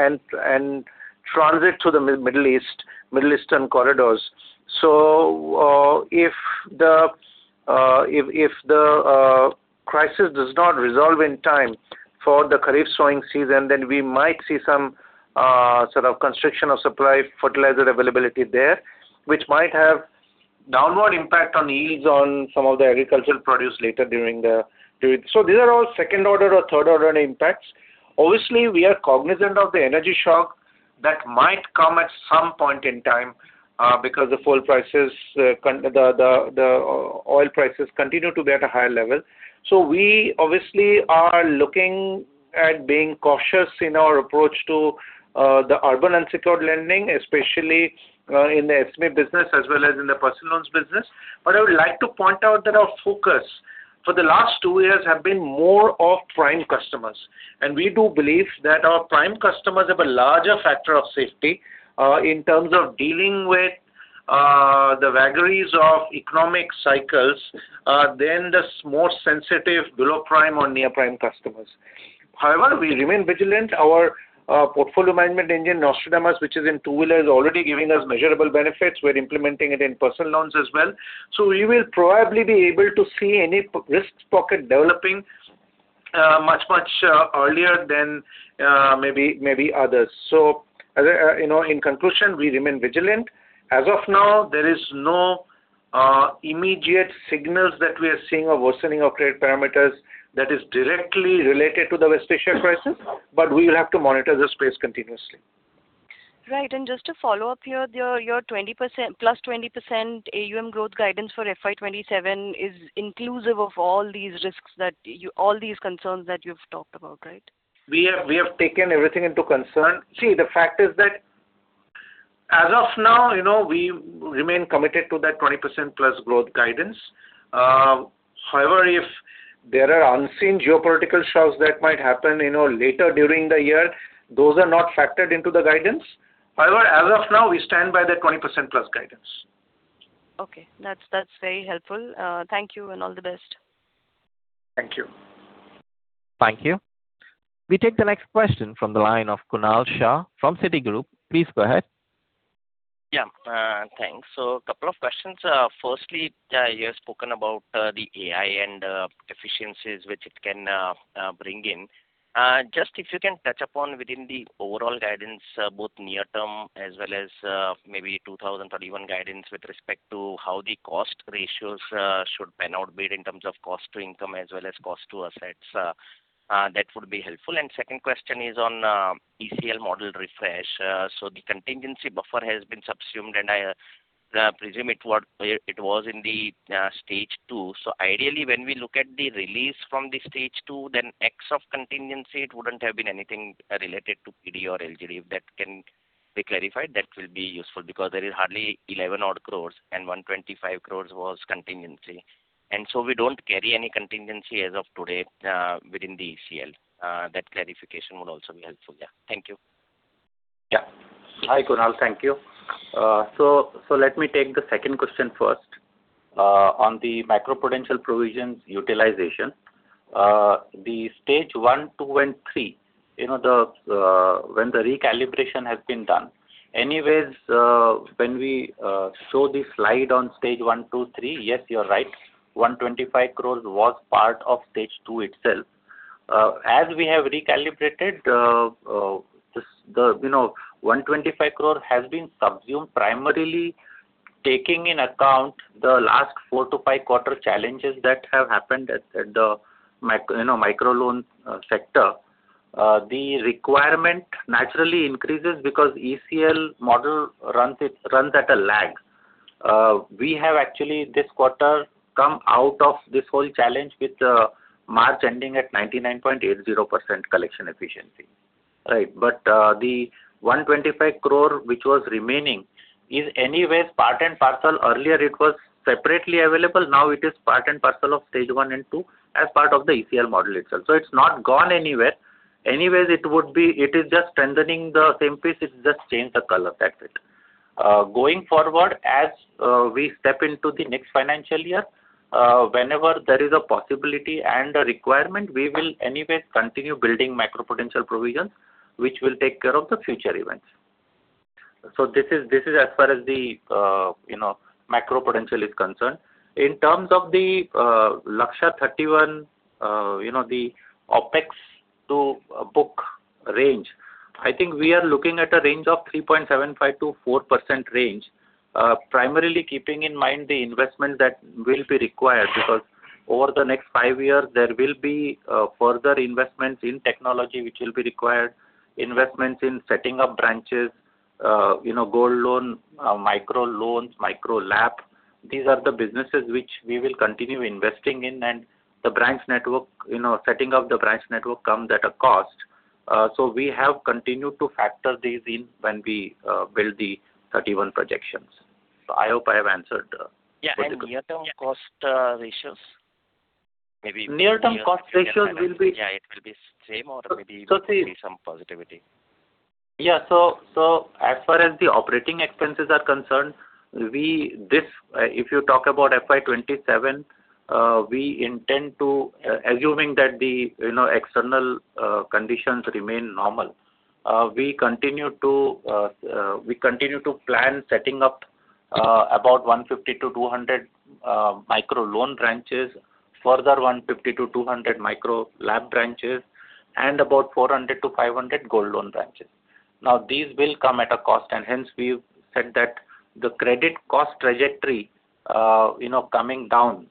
transit through the Middle East, Middle Eastern corridors. If the crisis does not resolve in time for the kharif sowing season, then we might see some sort of constriction of supply, fertilizer availability there, which might have downward impact on yields on some of the agricultural produce later during the. These are all second order or third order impacts. Obviously, we are cognizant of the energy shock that might come at some point in time, because the fuel prices, the oil prices continue to be at a higher level. We obviously are looking at being cautious in our approach to the urban unsecured lending, especially, in the SME business as well as in the personal loans business. I would like to point out that our focus for the last two years have been more of prime customers, and we do believe that our prime customers have a larger factor of safety, in terms of dealing with the vagaries of economic cycles, than the more sensitive below Prime or Near-Prime customers. However, we remain vigilant. Our portfolio management engine, Nostradamus, which is in two-wheeler, is already giving us measurable benefits. We're implementing it in Personal Loans as well. We will probably be able to see any high-risk pocket developing much earlier than maybe others. As I, you know, in conclusion, we remain vigilant. As of now, there is no immediate signals that we are seeing a worsening of credit parameters that is directly related to the West Asia crisis, but we will have to monitor the space continuously. Right. Just to follow up here, your 20%, plus 20% AUM growth guidance for FY 2027 is inclusive of all these concerns that you've talked about, right? We have taken everything into concern. See, the fact is that as of now, you know, we remain committed to that 20%+ growth guidance. However, if there are unseen geopolitical shocks that might happen, you know, later during the year, those are not factored into the guidance. However, as of now, we stand by that 20%+ guidance. Okay. That's very helpful. Thank you and all the best. Thank you. Thank you. We take the next question from the line of Kunal Shah from Citigroup. Please go ahead. Thanks. A couple of questions. You have spoken about the AI and efficiencies which it can bring in. Just if you can touch upon within the overall guidance, both near term as well as maybe 2031 guidance with respect to how the cost ratios should pan out bit in terms of cost to income as well as cost to assets. That would be helpful. Second question is on ECL model refresh. The contingency buffer has been subsumed and I presume it was in the Stage 2. Ideally when we look at the release from the Stage 2 then excess of contingency, it wouldn't have been anything related to PD or LGD. If that can be clarified, that will be useful because there is hardly 11 odd crore and 125 crore was contingency. We don't carry any contingency as of today within the ECL. That clarification would also be helpful. Yeah. Thank you. Yeah. Hi, Kunal. Thank you. Let me take the second question first. On the macro potential provisions utilization. The Stage 1, 2, and 3, you know, when the recalibration has been done. When we show the slide on Stage 1, 2, 3, yes, you're right, 125 crore was part of Stage 2 itself. As we have recalibrated, you know, 125 crore has been subsumed primarily taking into account the last four to five quarters challenges that have happened at the microloan sector. The requirement naturally increases because ECL model runs at a lag. We have actually this quarter come out of this whole challenge with March ending at 99.80% collection efficiency. The 125 crore which was remaining is anyways part and parcel. Earlier it was separately available, now it is part and parcel of Stage 1 and 2 as part of the ECL model itself. It's not gone anywhere. Anyways it would be. It is just strengthening the same piece. It's just changed the color. That's it. Going forward as we step into the next financial year, whenever there is a possibility and a requirement, we will anyways continue building macro prudential provisions which will take care of the future events. This is as far as the, you know, macro prudential is concerned. In terms of the Lakshya 2031, you know, the OpEx to book range, I think we are looking at a range of 3.75%-4% range, primarily keeping in mind the investment that will be required because over the next five years there will be further investments in technology which will be required, investments in setting up branches, you know, Gold Loan, micro loans, Micro LAP. These are the businesses which we will continue investing in. The branch network, you know, setting up the branch network comes at a cost. We have continued to factor these in when we build the 31 projections. I hope I have answered. Yeah. The question. Near-term cost ratios? Maybe. Near-term cost ratio will be. Yeah, it will be same or maybe. So, see. Some positivity. As far as the operating expenses are concerned, if you talk about FY 2027, we intend to, assuming that the external conditions remain normal, you know, we continue to plan setting up about 150-200 micro loan branches, further 150-200 Micro LAP branches, and about 400-500 Gold Loan branches. These will come at a cost, and hence we've said that the credit cost trajectory, you know, coming down,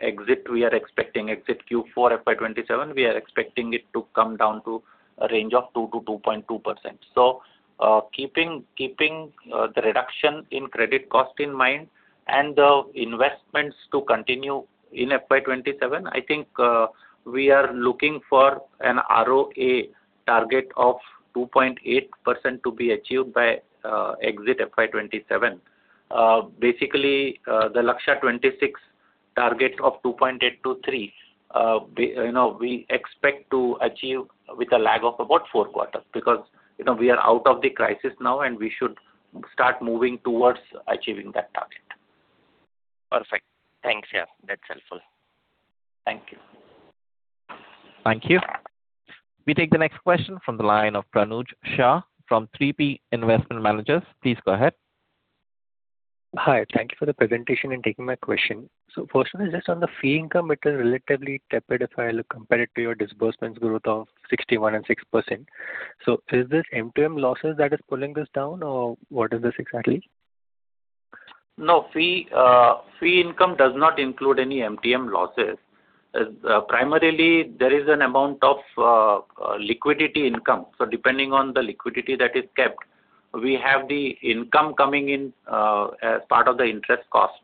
exit we are expecting, exit Q4 FY 2027, we are expecting it to come down to a range of 2%-2.2%. Keeping the reduction in credit cost in mind and the investments to continue in FY 2027, I think we are looking for an ROA target of 2.8% to be achieved by exit FY 2027. Basically, the Lakshya 2026 target of 2.8%-3%, you know, we expect to achieve with a lag of about four quarters because, you know, we are out of the crisis now, and we should start moving towards achieving that target. Perfect. Thanks. Yeah, that's helpful. Thank you. Thank you. We take the next question from the line of Pranuj Shah from 3P Investment Managers. Please go ahead. Hi. Thank you for the presentation and taking my question. Firstly, just on the fee income, it is relatively tepid if I look to compare it to your disbursements growth of 61.6%. Is this MTM losses that is pulling this down or what is this exactly? No, fee income does not include any MTM losses. Primarily there is an amount of liquidity income. Depending on the liquidity that is kept, we have the income coming in as part of the interest cost.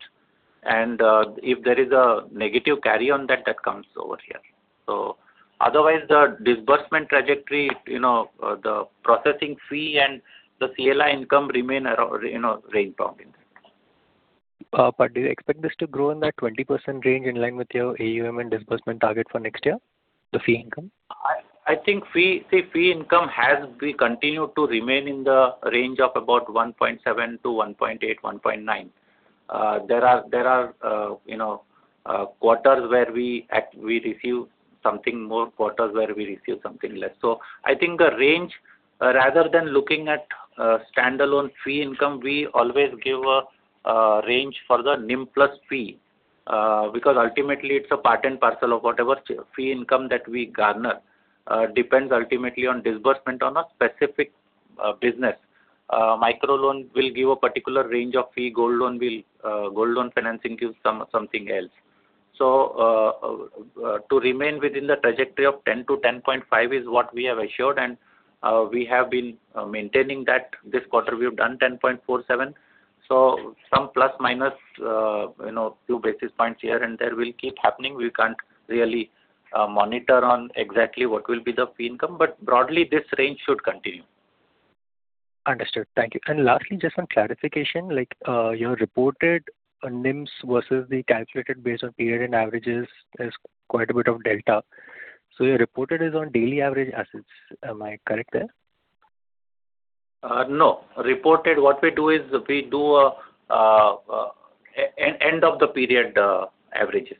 If there is a negative carry on that comes over here. Otherwise, the disbursement trajectory, you know, the processing fee and the CLA income remain at a, you know, range bound in that. Do you expect this to grow in that 20% range in line with your AUM and disbursement target for next year? The fee income. I think fee income has been continued to remain in the range of about 1.7%-1.9%. There are you know quarters where we receive something more, quarters where we receive something less. I think the range rather than looking at standalone fee income, we always give a range for the NIM plus fee because ultimately it's a part and parcel of whatever fee income that we garner depends ultimately on disbursement on a specific business. Micro Loan will give a particular range of fee. Gold Loan will, gold loan financing gives something else. To remain within the trajectory of 10%-10.5% is what we have assured, and we have been maintaining that. This quarter we have done 10.47%. Some plus minus, you know, few basis points here and there will keep happening. We can't really comment on exactly what will be the fee income, but broadly this range should continue. Understood. Thank you. Lastly, just some clarification, like, your reported NIMs versus the calculated based on period and averages, there's quite a bit of delta. Your reported is on daily average assets. Am I correct there? No. Reported, what we do is we do end-of-the-period averages.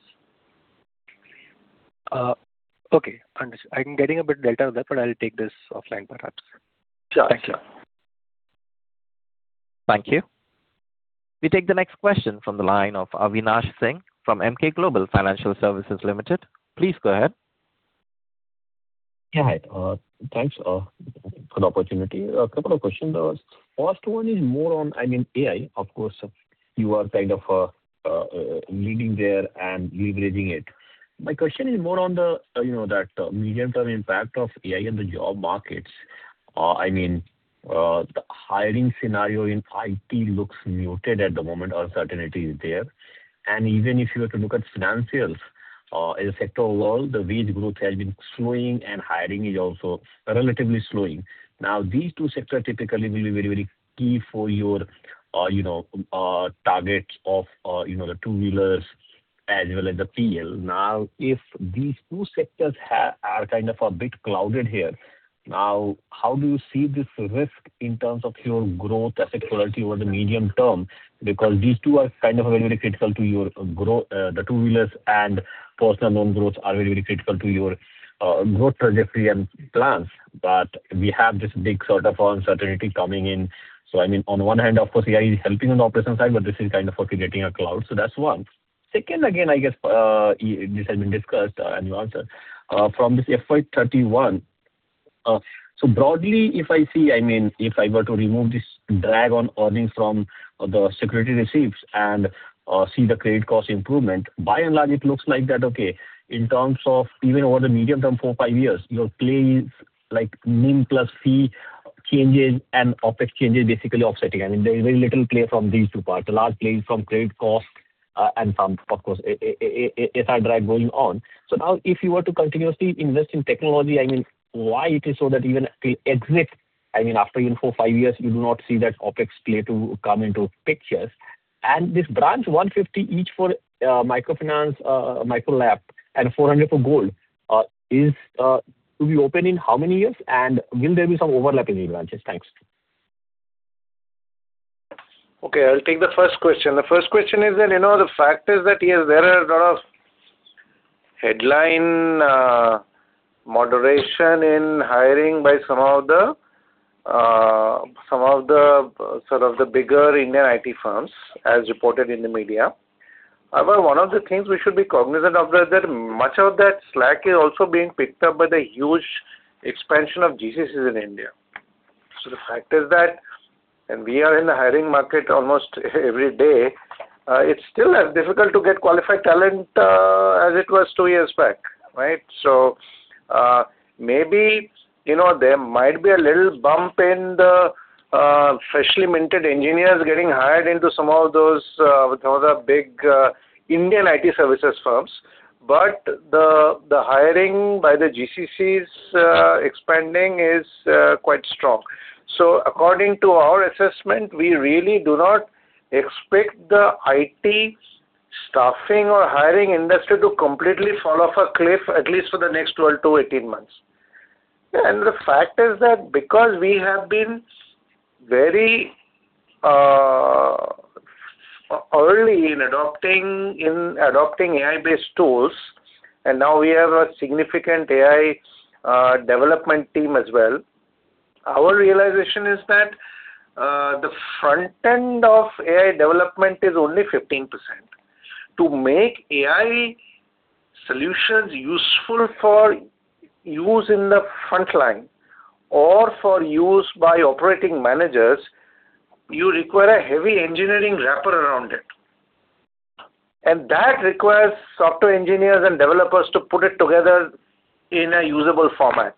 Okay. Understood. I'm getting a bit delta there, but I'll take this offline perhaps. Sure. Thank you. We take the next question from the line of Avinash Singh from Emkay Global Financial Services Ltd. Please go ahead. Yeah. Thanks for the opportunity. A couple of questions. First one is more on, I mean, AI, of course, you are kind of leading there and leveraging it. My question is more on the, you know, that medium-term impact of AI in the job markets. I mean, the hiring scenario in IT looks muted at the moment. Uncertainty is there. Even if you were to look at financials, as a sector overall, the wage growth has been slowing and hiring is also relatively slowing. Now, these two sectors typically will be very, very key for your, you know, targets of, you know, the two-wheelers as well as the PL. Now, if these two sectors are kind of a bit clouded here, now, how do you see this risk in terms of your growth as a quality over the medium term? Because these two are kind of very, very critical, the two-wheelers and personal loan growth are very, very critical to your growth trajectory and plans. We have this big sort of uncertainty coming in. I mean, on one hand, of course, AI is helping on the operations side, but this is kind of also getting a cloud. That's one. Second, again, I guess, this has been discussed and you answered. From this FY 2031, broadly, if I see, I mean, if I were to remove this drag on earnings from the security receipts and see the credit cost improvement, by and large it looks like that, okay. In terms of even over the medium term, 4-5 years, your play is like NIM plus fee changes and OpEx changes basically offsetting. I mean, there is very little play from these two parts. A large play from credit costs, and some, of course, asset drag going on. Now if you were to continuously invest in technology, I mean, why it is so that even to exit, I mean, after even 4-5 years you do not see that OpEx play to come into pictures. 150 branches each for microfinance, micro LAP and 400 for gold are to be opened in how many years and will there be some overlap in new branches? Thanks. Okay, I'll take the first question. The first question is then, you know, the fact is that, yes, there are a lot of headline moderation in hiring by some of the sort of the bigger Indian IT firms as reported in the media. However, one of the things we should be cognizant of that much of that slack is also being picked up by the huge expansion of GCCs in India. The fact is that, and we are in the hiring market almost every day, it's still as difficult to get qualified talent, as it was two years back, right? Maybe, you know, there might be a little bump in the freshly minted engineers getting hired into some of those some of the big Indian IT services firms. The hiring by the GCCs expanding is quite strong. According to our assessment, we really do not expect the IT staffing or hiring industry to completely fall off a cliff, at least for the next 12-18 months. The fact is that because we have been very early in adopting AI-based tools, and now we have a significant AI development team as well, our realization is that the front end of AI development is only 15%. To make AI solutions useful for use in the front line or for use by operating managers, you require a heavy engineering wrapper around it. That requires software engineers and developers to put it together in a usable format.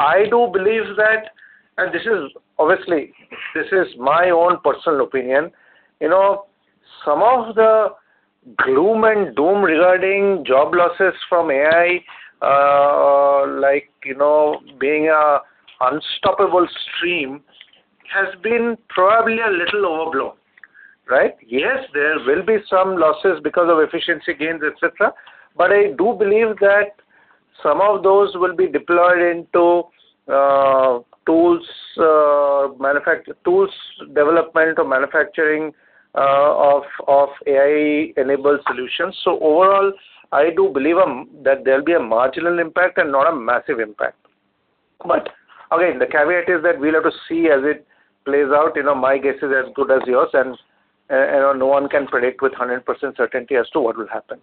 I do believe that this is obviously my own personal opinion. You know, some of the gloom and doom regarding job losses from AI, like, you know, being an unstoppable stream has been probably a little overblown, right? Yes, there will be some losses because of efficiency gains, et cetera, but I do believe that some of those will be deployed into tools development or manufacturing of AI-enabled solutions. Overall, I do believe that there'll be a marginal impact and not a massive impact. Again, the caveat is that we'll have to see as it plays out. You know, my guess is as good as yours, and no one can predict with 100% certainty as to what will happen.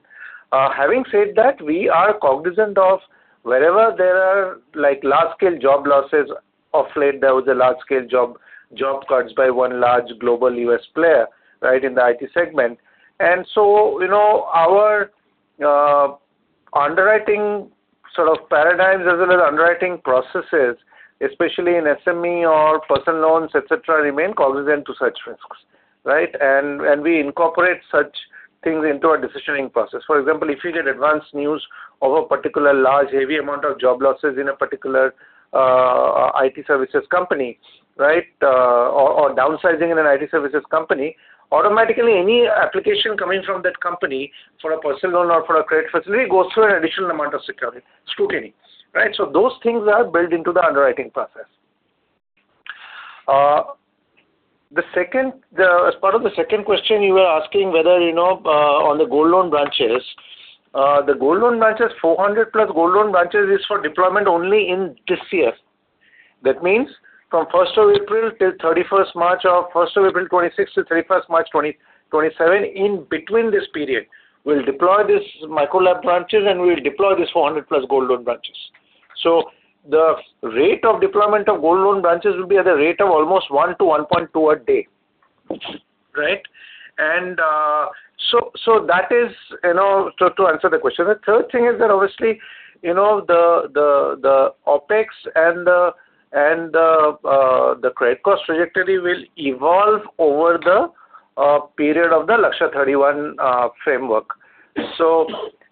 Having said that, we are cognizant of wherever there are, like, large-scale job losses. Of late there was a large-scale job cuts by one large global U.S. player, right, in the IT segment. You know, our underwriting sort of paradigms as well as underwriting processes, especially in SME or Personal Loans, et cetera, remain cognizant to such risks, right? We incorporate such things into our decisioning process. For example, if you get advance news of a particular large, heavy amount of job losses in a particular IT services company, right? Or downsizing in an IT services company, automatically any application coming from that company for a Personal Loan or for a credit facility goes through an additional amount of scrutiny, right? Those things are built into the underwriting process. As part of the second question you were asking whether, you know, on the Gold Loan branches. The Gold Loan branches, 400+ Gold Loan branches is for deployment only in this year. That means from first of April till 31st March or first of April 2026 to 31st March 2027, in between this period, we'll deploy these micro LAP branches and we'll deploy these 400+ Gold Loan branches. The rate of deployment of Gold Loan branches will be at a rate of almost 1-1.2 a day. Right? That is, you know, to answer the question. The third thing is that obviously, you know, the OpEx and the credit cost trajectory will evolve over the period of the Lakshya 2031 framework.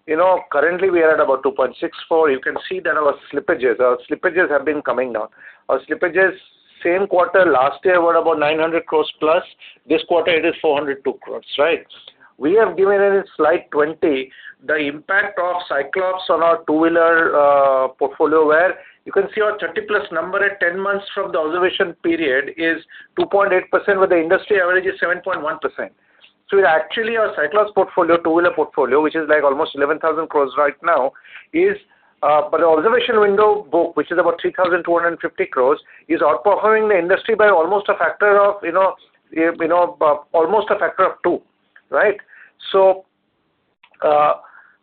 You know, currently we are at about 2.64%. You can see that our slippages have been coming down. Our slippages same quarter last year were about 900+ crore. This quarter it is 402 crore, right? We have given in slide 20 the impact of Cyclops on our two-wheeler portfolio, where you can see our 30+ number at 10 months from the observation period is 2.8%, where the industry average is 7.1%. Actually our Cyclops portfolio, two-wheeler portfolio, which is like almost 11,000 crore right now, is for the observation window book, which is about 3,250 crore, is outperforming the industry by almost a factor of, you know, almost a factor of two, right?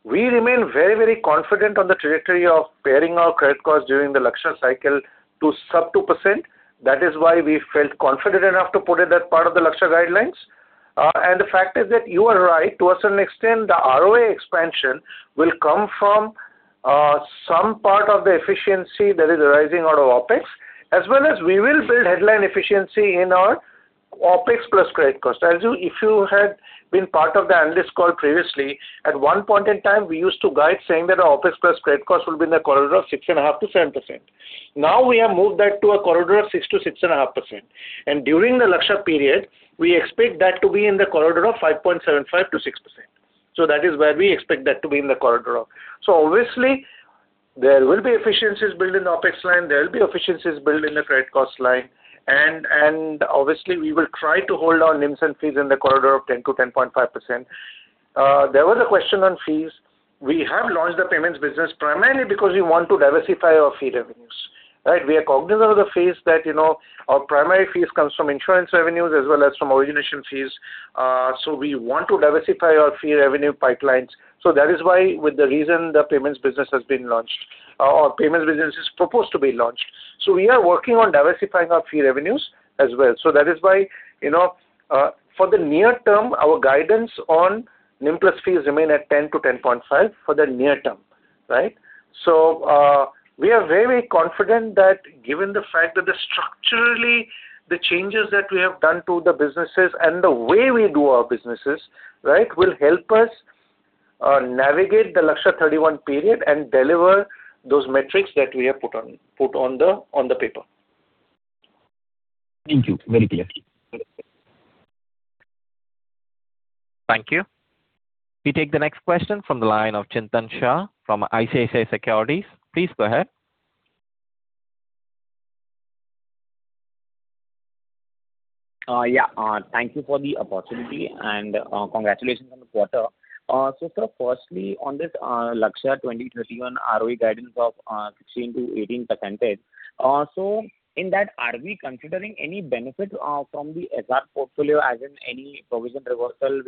We remain very, very confident on the trajectory of impairing our credit cards during the Lakshya cycle to sub 2%. That is why we felt confident enough to put it as part of the Lakshya guidelines. The fact is that you are right. To a certain extent, the ROA expansion will come from some part of the efficiency that is arising out of OpEx, as well as we will build headline efficiency in our OpEx plus credit cost. If you had been part of the analyst call previously, at one point in time, we used to guide saying that our OpEx plus credit cost will be in the corridor of 6.5%-7%. Now we have moved that to a corridor of 6%-6.5%. During the Lakshya period, we expect that to be in the corridor of 5.75%-6%. Obviously, there will be efficiencies built in the OpEx line, there will be efficiencies built in the credit cost line. Obviously we will try to hold our NIMs and fees in the corridor of 10%-10.5%. There was a question on fees. We have launched the payments business primarily because we want to diversify our fee revenues, right? We are cognizant of the fees that, you know, our primary fees comes from insurance revenues as well as from origination fees. We want to diversify our fee revenue pipelines. That is why the payments business has been launched, or our payments business is proposed to be launched. We are working on diversifying our fee revenues as well. That is why, you know, for the near term, our guidance on NIM plus fees remain at 10%-10.5% for the near term, right? We are very confident that given the fact that the structural changes that we have done to the businesses and the way we do our businesses, right, will help us navigate the Lakshya 2031 period and deliver those metrics that we have put on the paper. Thank you. Very clear. Thank you. We take the next question from the line of Chintan Shah from ICICI Securities. Please go ahead. Thank you for the opportunity and, congratulations on the quarter. Sir, first on this Lakshya 2021 ROE guidance of 16%-18%. In that, are we considering any benefit from the SR portfolio, as in any provision reversal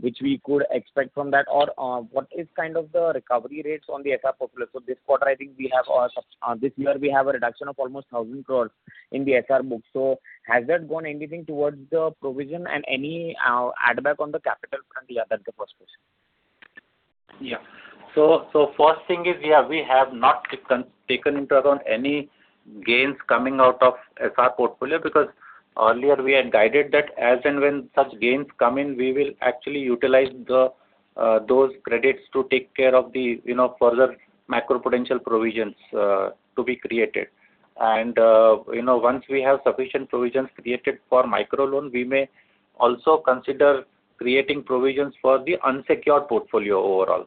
which we could expect from that? Or, what is kind of the recovery rates on the SR portfolio? This quarter, I think we have, this year we have a reduction of almost 1,000 crore in the SR book. Has that gone anything towards the provision and any add back on the capital front? That's the first question. First thing is, we have not taken into account any gains coming out of SR portfolio because earlier we had guided that as and when such gains come in, we will actually utilize those credits to take care of the, you know, further macro potential provisions to be created. Once we have sufficient provisions created for Micro Loan, we may also consider creating provisions for the unsecured portfolio overall.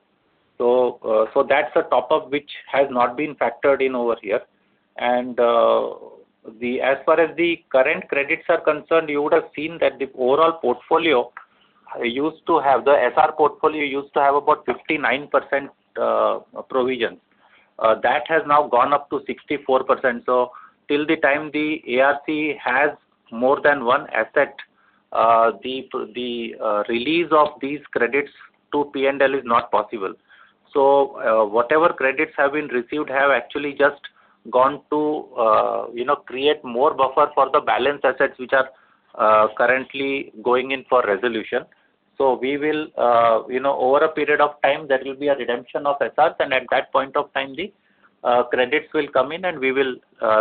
That's on top of which has not been factored in over here. As far as the current credits are concerned, you would have seen that the SR portfolio used to have about 59% provision. That has now gone up to 64%. Till the time the ARC has more than one asset, the release of these credits to P&L is not possible. Whatever credits have been received have actually just gone to you know create more buffer for the balance assets which are currently going in for resolution. We will you know over a period of time there will be a redemption of SRs and at that point of time the credits will come in and we will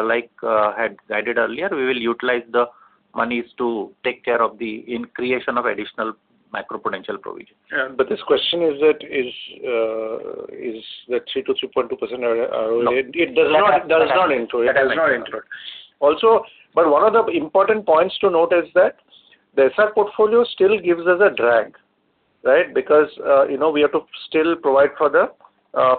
like I had guided earlier we will utilize the monies to take care of the incurring of additional macro-prudential provision. This question is that 3%-3.2% ROE. No. It does not into it. That has not entered. One of the important points to note is that the SR portfolio still gives us a drag, right? Because, you know, we have to still provide for the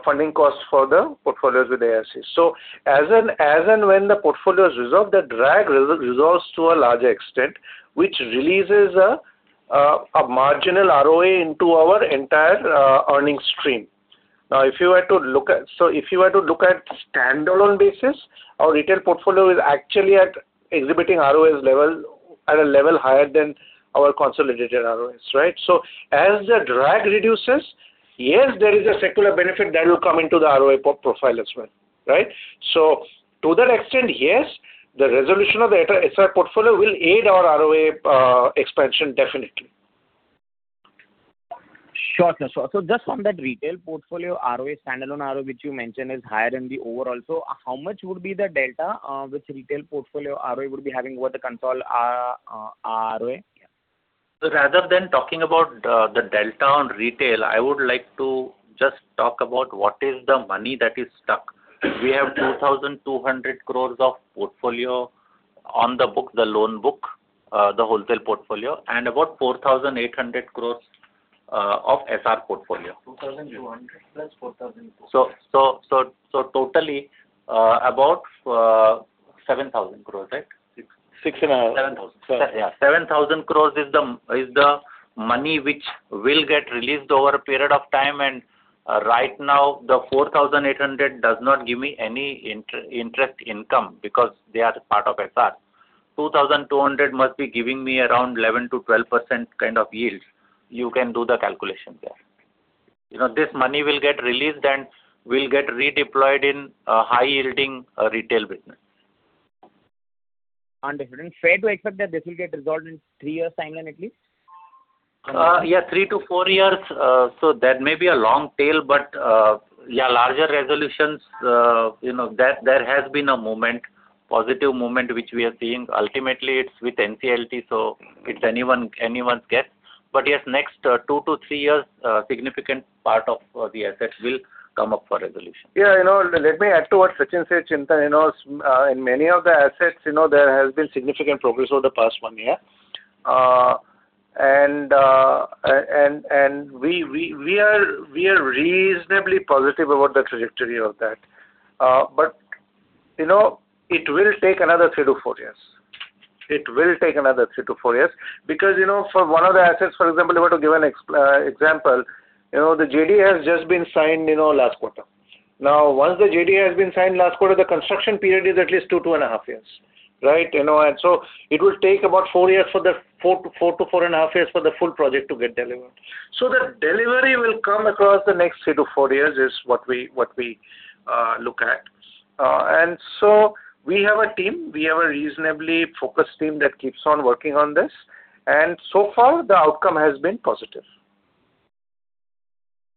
funding costs for the portfolios with ARC. So as and when the portfolio is resolved, the drag re-resolves to a large extent, which releases a marginal ROA into our entire earning stream. So if you were to look at standalone basis, our retail portfolio is actually exhibiting ROAs at a level higher than our consolidated ROAs, right? So as the drag reduces, yes, there is a secular benefit that will come into the ROA profile as well, right? So to that extent, yes, the resolution of the SR portfolio will aid our ROA expansion definitely. Sure. Just on that retail portfolio ROA, standalone ROA, which you mentioned is higher than the overall. How much would be the delta, which retail portfolio ROA would be having over the consolidated ROA? Rather than talking about the delta on retail, I would like to just talk about what is the money that is stuck. We have 2,200 crores of portfolio on the book, the loan book, the wholesale portfolio, and about 4,800 crores of SR portfolio. 2,200 plus 4,400. Totally about 7,000 crore, right? 6,000, INR 6,500. 7,000. Sorry. Yeah. 7,000 crore is the money which will get released over a period of time. Right now the 4,800 crore does not give me any interest income because they are part of SR. 2,200 crore must be giving me around 11%-12% kind of yield. You can do the calculation there. You know, this money will get released and will get redeployed in a high-yielding retail business. Understood. Fair to expect that this will get resolved in three years timeline at least? Yeah, 3-4 years. So that may be a long tail, but yeah, larger resolutions, you know, that there has been a moment, positive moment, which we are seeing. Ultimately it's with NCLT, so it's anyone's guess. Yes, next 2-3 years, significant part of the assets will come up for resolution. Yeah. You know, let me add to what Sachinn said, Chintan. You know, in many of the assets, you know, there has been significant progress over the past one year. We are reasonably positive about the trajectory of that. You know, it will take another 3-4 years because, you know, for one of the assets, for example, if I were to give an example, you know, the JDA has just been signed, you know, last quarter. Now, once the JDA has been signed last quarter, the construction period is at least 2.5 years, right? You know, it will take about four years for the 4-4.5 years for the full project to get delivered. The delivery will come across the next 3-4 years is what we look at. We have a team. We have a reasonably focused team that keeps on working on this, and so far the outcome has been positive.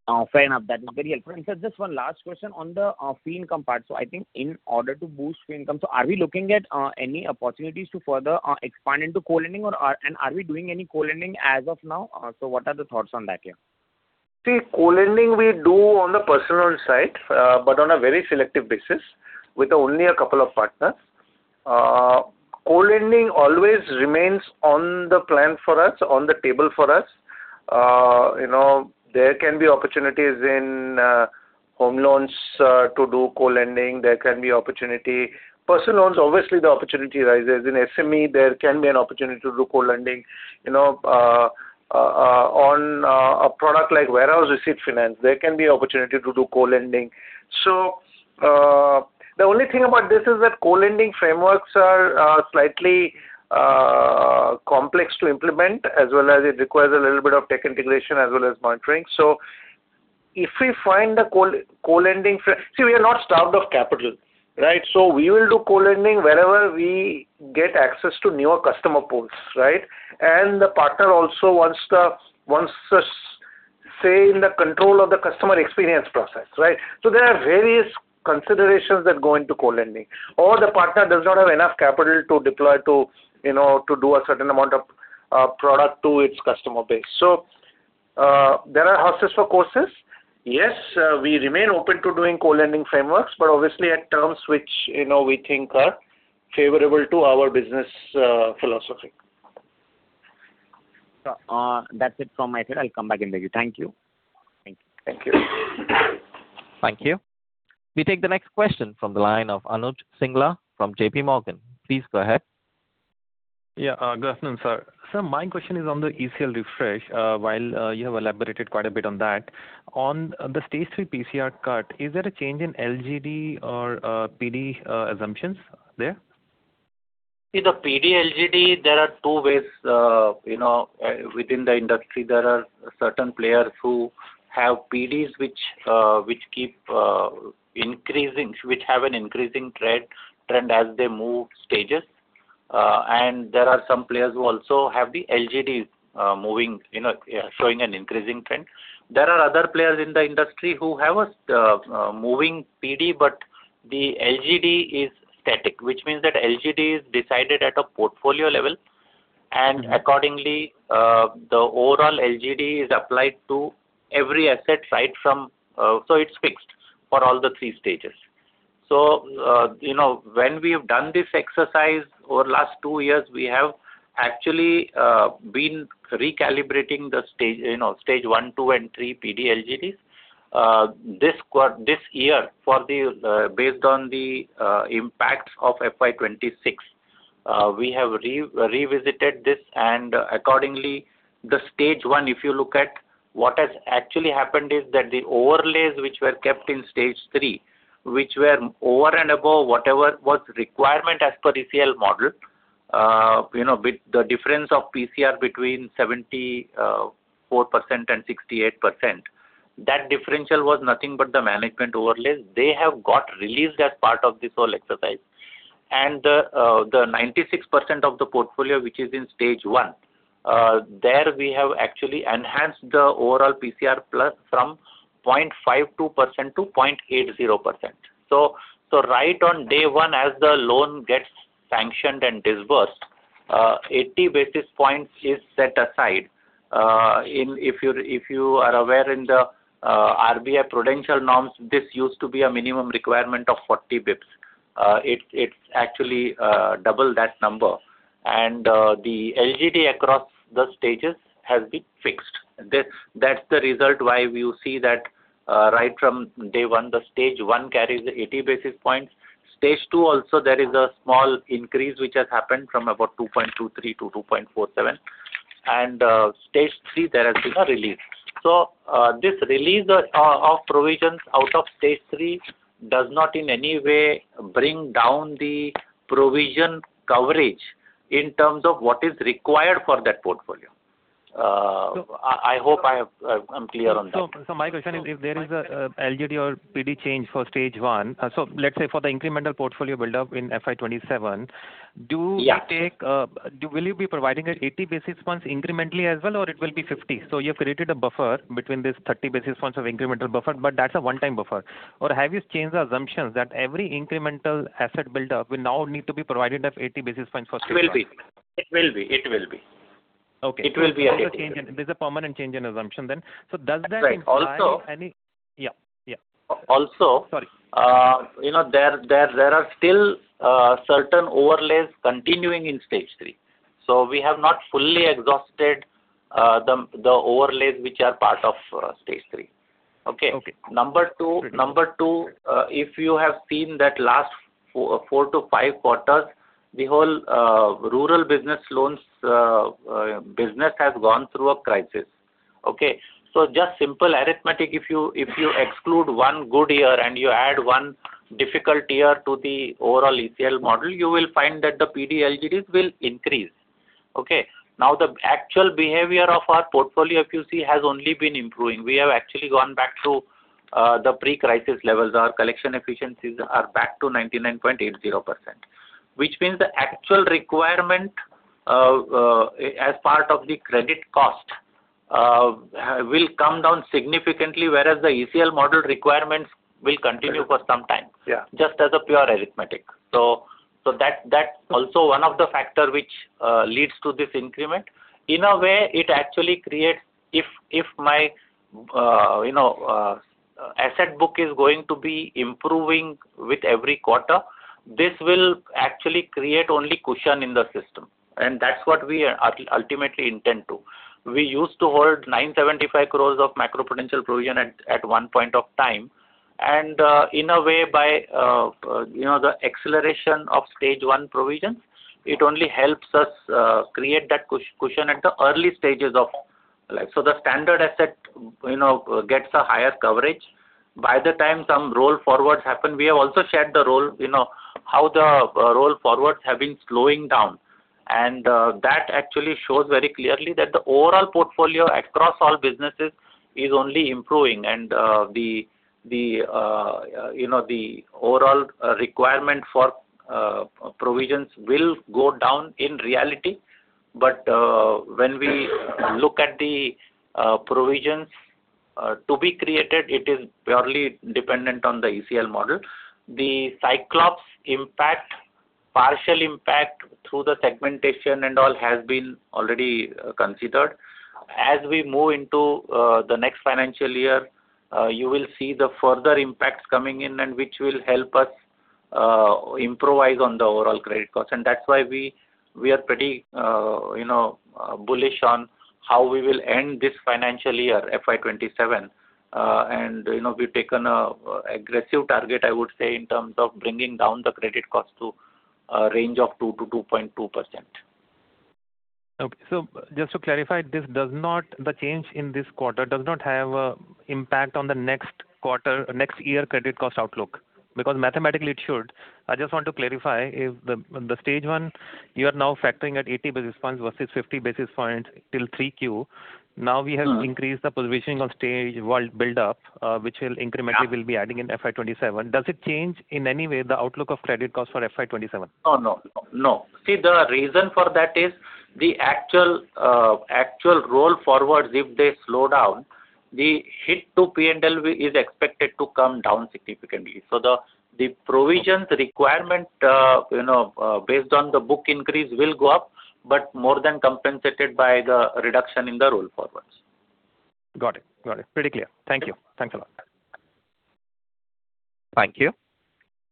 Oh, fair enough. That's very helpful. Sir, just one last question on the fee income part. I think in order to boost fee income, so are we looking at any opportunities to further expand into co-lending and are we doing any co-lending as of now? What are the thoughts on that here? See, co-lending we do on the personal side, but on a very selective basis with only a couple of partners. Co-lending always remains on the plan for us, on the table for us. You know, there can be opportunities in home loans to do co-lending. There can be opportunity. Personal Loans, obviously the opportunity arises. In SME, there can be an opportunity to do co-lending. You know, on a product like warehouse receipt finance, there can be opportunity to do co-lending. The only thing about this is that co-lending frameworks are slightly complex to implement, as well as it requires a little bit of tech integration as well as monitoring. See, we are not starved of capital, right? We will do co-lending wherever we get access to newer customer pools, right? The partner also wants a say in the control of the customer experience process, right? There are various considerations that go into co-lending. The partner does not have enough capital to deploy to, you know, to do a certain amount of product to its customer base. There are horses for courses. Yes, we remain open to doing co-lending frameworks, but obviously at terms which, you know, we think are favorable to our business philosophy. That's it from my side. I'll come back and beg you. Thank you. Thank you. Thank you. Thank you. We take the next question from the line of Anuj Singla from JPMorgan. Please go ahead. Yeah. Good afternoon, sir. Sir, my question is on the ECL refresh. While you have elaborated quite a bit on that, on the Stage 3 PCR cut, is there a change in LGD or PD assumptions there? See the PD LGD, there are two ways, you know, within the industry there are certain players who have PDs which keep increasing, which have an increasing trend as they move stages. There are some players who also have the LGDs moving, you know, showing an increasing trend. There are other players in the industry who have a moving PD, but the LGD is static, which means that LGD is decided at a portfolio level and accordingly, the overall LGD is applied to every asset right from. It's fixed for all the three stages. You know, when we have done this exercise over last two years, we have actually been recalibrating the stage, you know, Stage 1, 2, and 3 PD LGDs. This year for the, based on the impacts of FY 2026, we have revisited this and accordingly the Stage 1, if you look at what has actually happened is that the overlays which were kept in Stage 3, which were over and above whatever was requirement as per ECL model, you know, with the difference of PCR between 74% and 68%, that differential was nothing but the management overlays. They have got released as part of this whole exercise. The 96% of the portfolio which is in Stage 1, there we have actually enhanced the overall PCR plus from 0.52% to 0.80%. So right on day one as the loan gets sanctioned and disbursed, 80 basis points is set aside. If you are aware of the RBI Prudential norms, this used to be a minimum requirement of 40 bps. It's actually double that number. The LGD across the stages has been fixed. That's the result why you see that right from day one, the Stage 1 carries 80 basis points. Stage 2 also there is a small increase which has happened from about 2.23 to 2.47. Stage 3 there has been a release. This release of provisions out of Stage 3 does not in any way bring down the provision coverage in terms of what is required for that portfolio. So. I hope I have. I'm clear on that. My question is if there is a LGD or PD change for Stage 1. Let's say for the incremental portfolio buildup in FY 2027, do you take. Yeah. Will you be providing 80 basis points incrementally as well, or it will be 50? You have created a buffer between this 30 basis points of incremental buffer, but that's a one-time buffer. Have you changed the assumptions that every incremental asset buildup will now need to be provided at 80 basis points for Stage 1? It will be. Okay. It will be 80. There's a permanent change in assumption then. Does that imply any That's right. Also. Yeah. Yeah. Also. Sorry. You know, there are still certain overlays continuing in Stage 3. We have not fully exhausted the overlays which are part of Stage 3. Okay? Okay. Number two. Number two, if you have seen that last four to five quarters, the whole rural business loans business has gone through a crisis. Okay? Just simple arithmetic. If you exclude one good year and you add one difficult year to the overall ECL model, you will find that the PD LGDs will increase. Okay? Now, the actual behavior of our portfolio, if you see, has only been improving. We have actually gone back to the pre-crisis levels. Our collection efficiencies are back to 99.80%, which means the actual requirement as part of the credit cost will come down significantly, whereas the ECL model requirements will continue for some time. Yeah. Just as a pure arithmetic. That's also one of the factor which leads to this increment. In a way it actually creates. If my asset book is going to be improving with every quarter, this will actually create only cushion in the system, and that's what we ultimately intend to. We used to hold 975 crore of macroprudential provision at one point of time. In a way, by the acceleration of Stage 1 provision, it only helps us create that cushion at the early stages of life. The standard asset gets a higher coverage. By the time some roll forwards happen, we have also shared the roll, how the roll forwards have been slowing down. That actually shows very clearly that the overall portfolio across all businesses is only improving and the you know the overall requirement for provisions will go down in reality. When we look at the provisions to be created, it is purely dependent on the ECL model. The Cyclops impact, partial impact through the segmentation and all has been already considered. As we move into the next financial year, you will see the further impacts coming in and which will help us improve on the overall credit cost. That's why we are pretty you know bullish on how we will end this financial year, FY 2027. You know, we've taken an aggressive target, I would say, in terms of bringing down the credit cost to a range of 2%-2.2%. Just to clarify, the change in this quarter does not have an impact on the next quarter, next year credit cost outlook because mathematically it should. I just want to clarify if the Stage 1 you are now factoring at 80 basis points versus 50 basis points till 3Q. Now we have increased the provisioning on stage-wise buildup, which will incrementally. Yeah. We'll be adding in FY 2027. Does it change in any way the outlook of credit cost for FY 2027? Oh, no. No. See, the reason for that is the actual roll forwards, if they slow down, the hit to P&L is expected to come down significantly. The provisions requirement, you know, based on the book increase will go up, but more than compensated by the reduction in the roll forwards. Got it. Got it. Pretty clear. Thank you. Thanks a lot. Thank you.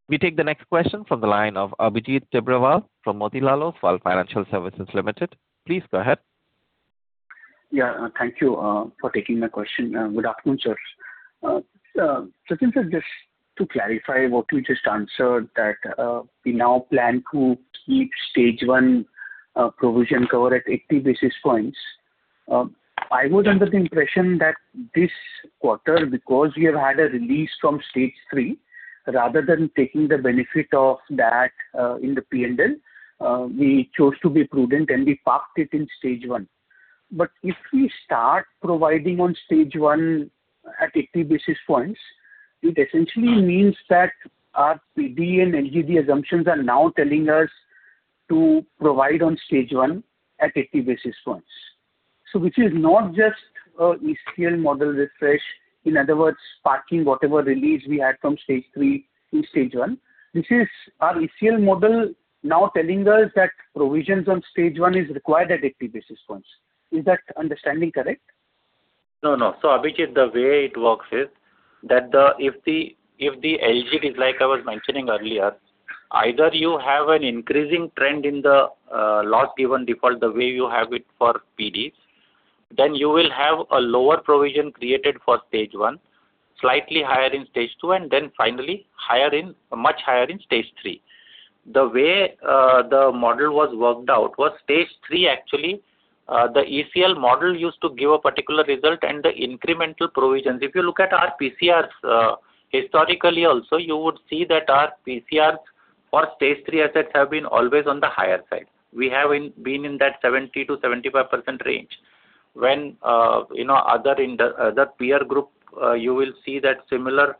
We take the next question from the line of Abhijit Tibrewal from Motilal Oswal Financial Services Limited. Please go ahead. Yeah. Thank you for taking my question. Good afternoon, sirs. Sachinn, just to clarify what you just answered, that we now plan to keep Stage 1 provision cover at 80 basis points. I was under the impression that this quarter, because we have had a release from Stage 3, rather than taking the benefit of that in the P&L, we chose to be prudent and we parked it in Stage 1. If we start providing on Stage 1 at 80 basis points, it essentially means that our PD and LGD assumptions are now telling us to provide on Stage 1 at 80 basis points. Which is not just an ECL model refresh. In other words, parking whatever release we had from Stage 3 to Stage 1. This is our ECL model now telling us that provisions on Stage 1 is required at 80 basis points. Is that understanding correct? No. Abhijit, the way it works is that if the LGD is like I was mentioning earlier, either you have an increasing trend in the loss given default the way you have it for PD, then you will have a lower provision created for Stage 1, slightly higher in Stage 2, and then finally much higher in Stage 3. The way the model was worked out was Stage 3 actually the ECL model used to give a particular result and the incremental provisions. If you look at our PCRs historically also, you would see that our PCRs for Stage 3 assets have been always on the higher side. We have been in that 70%-75% range. When you know, others in the other peer group, you will see that similar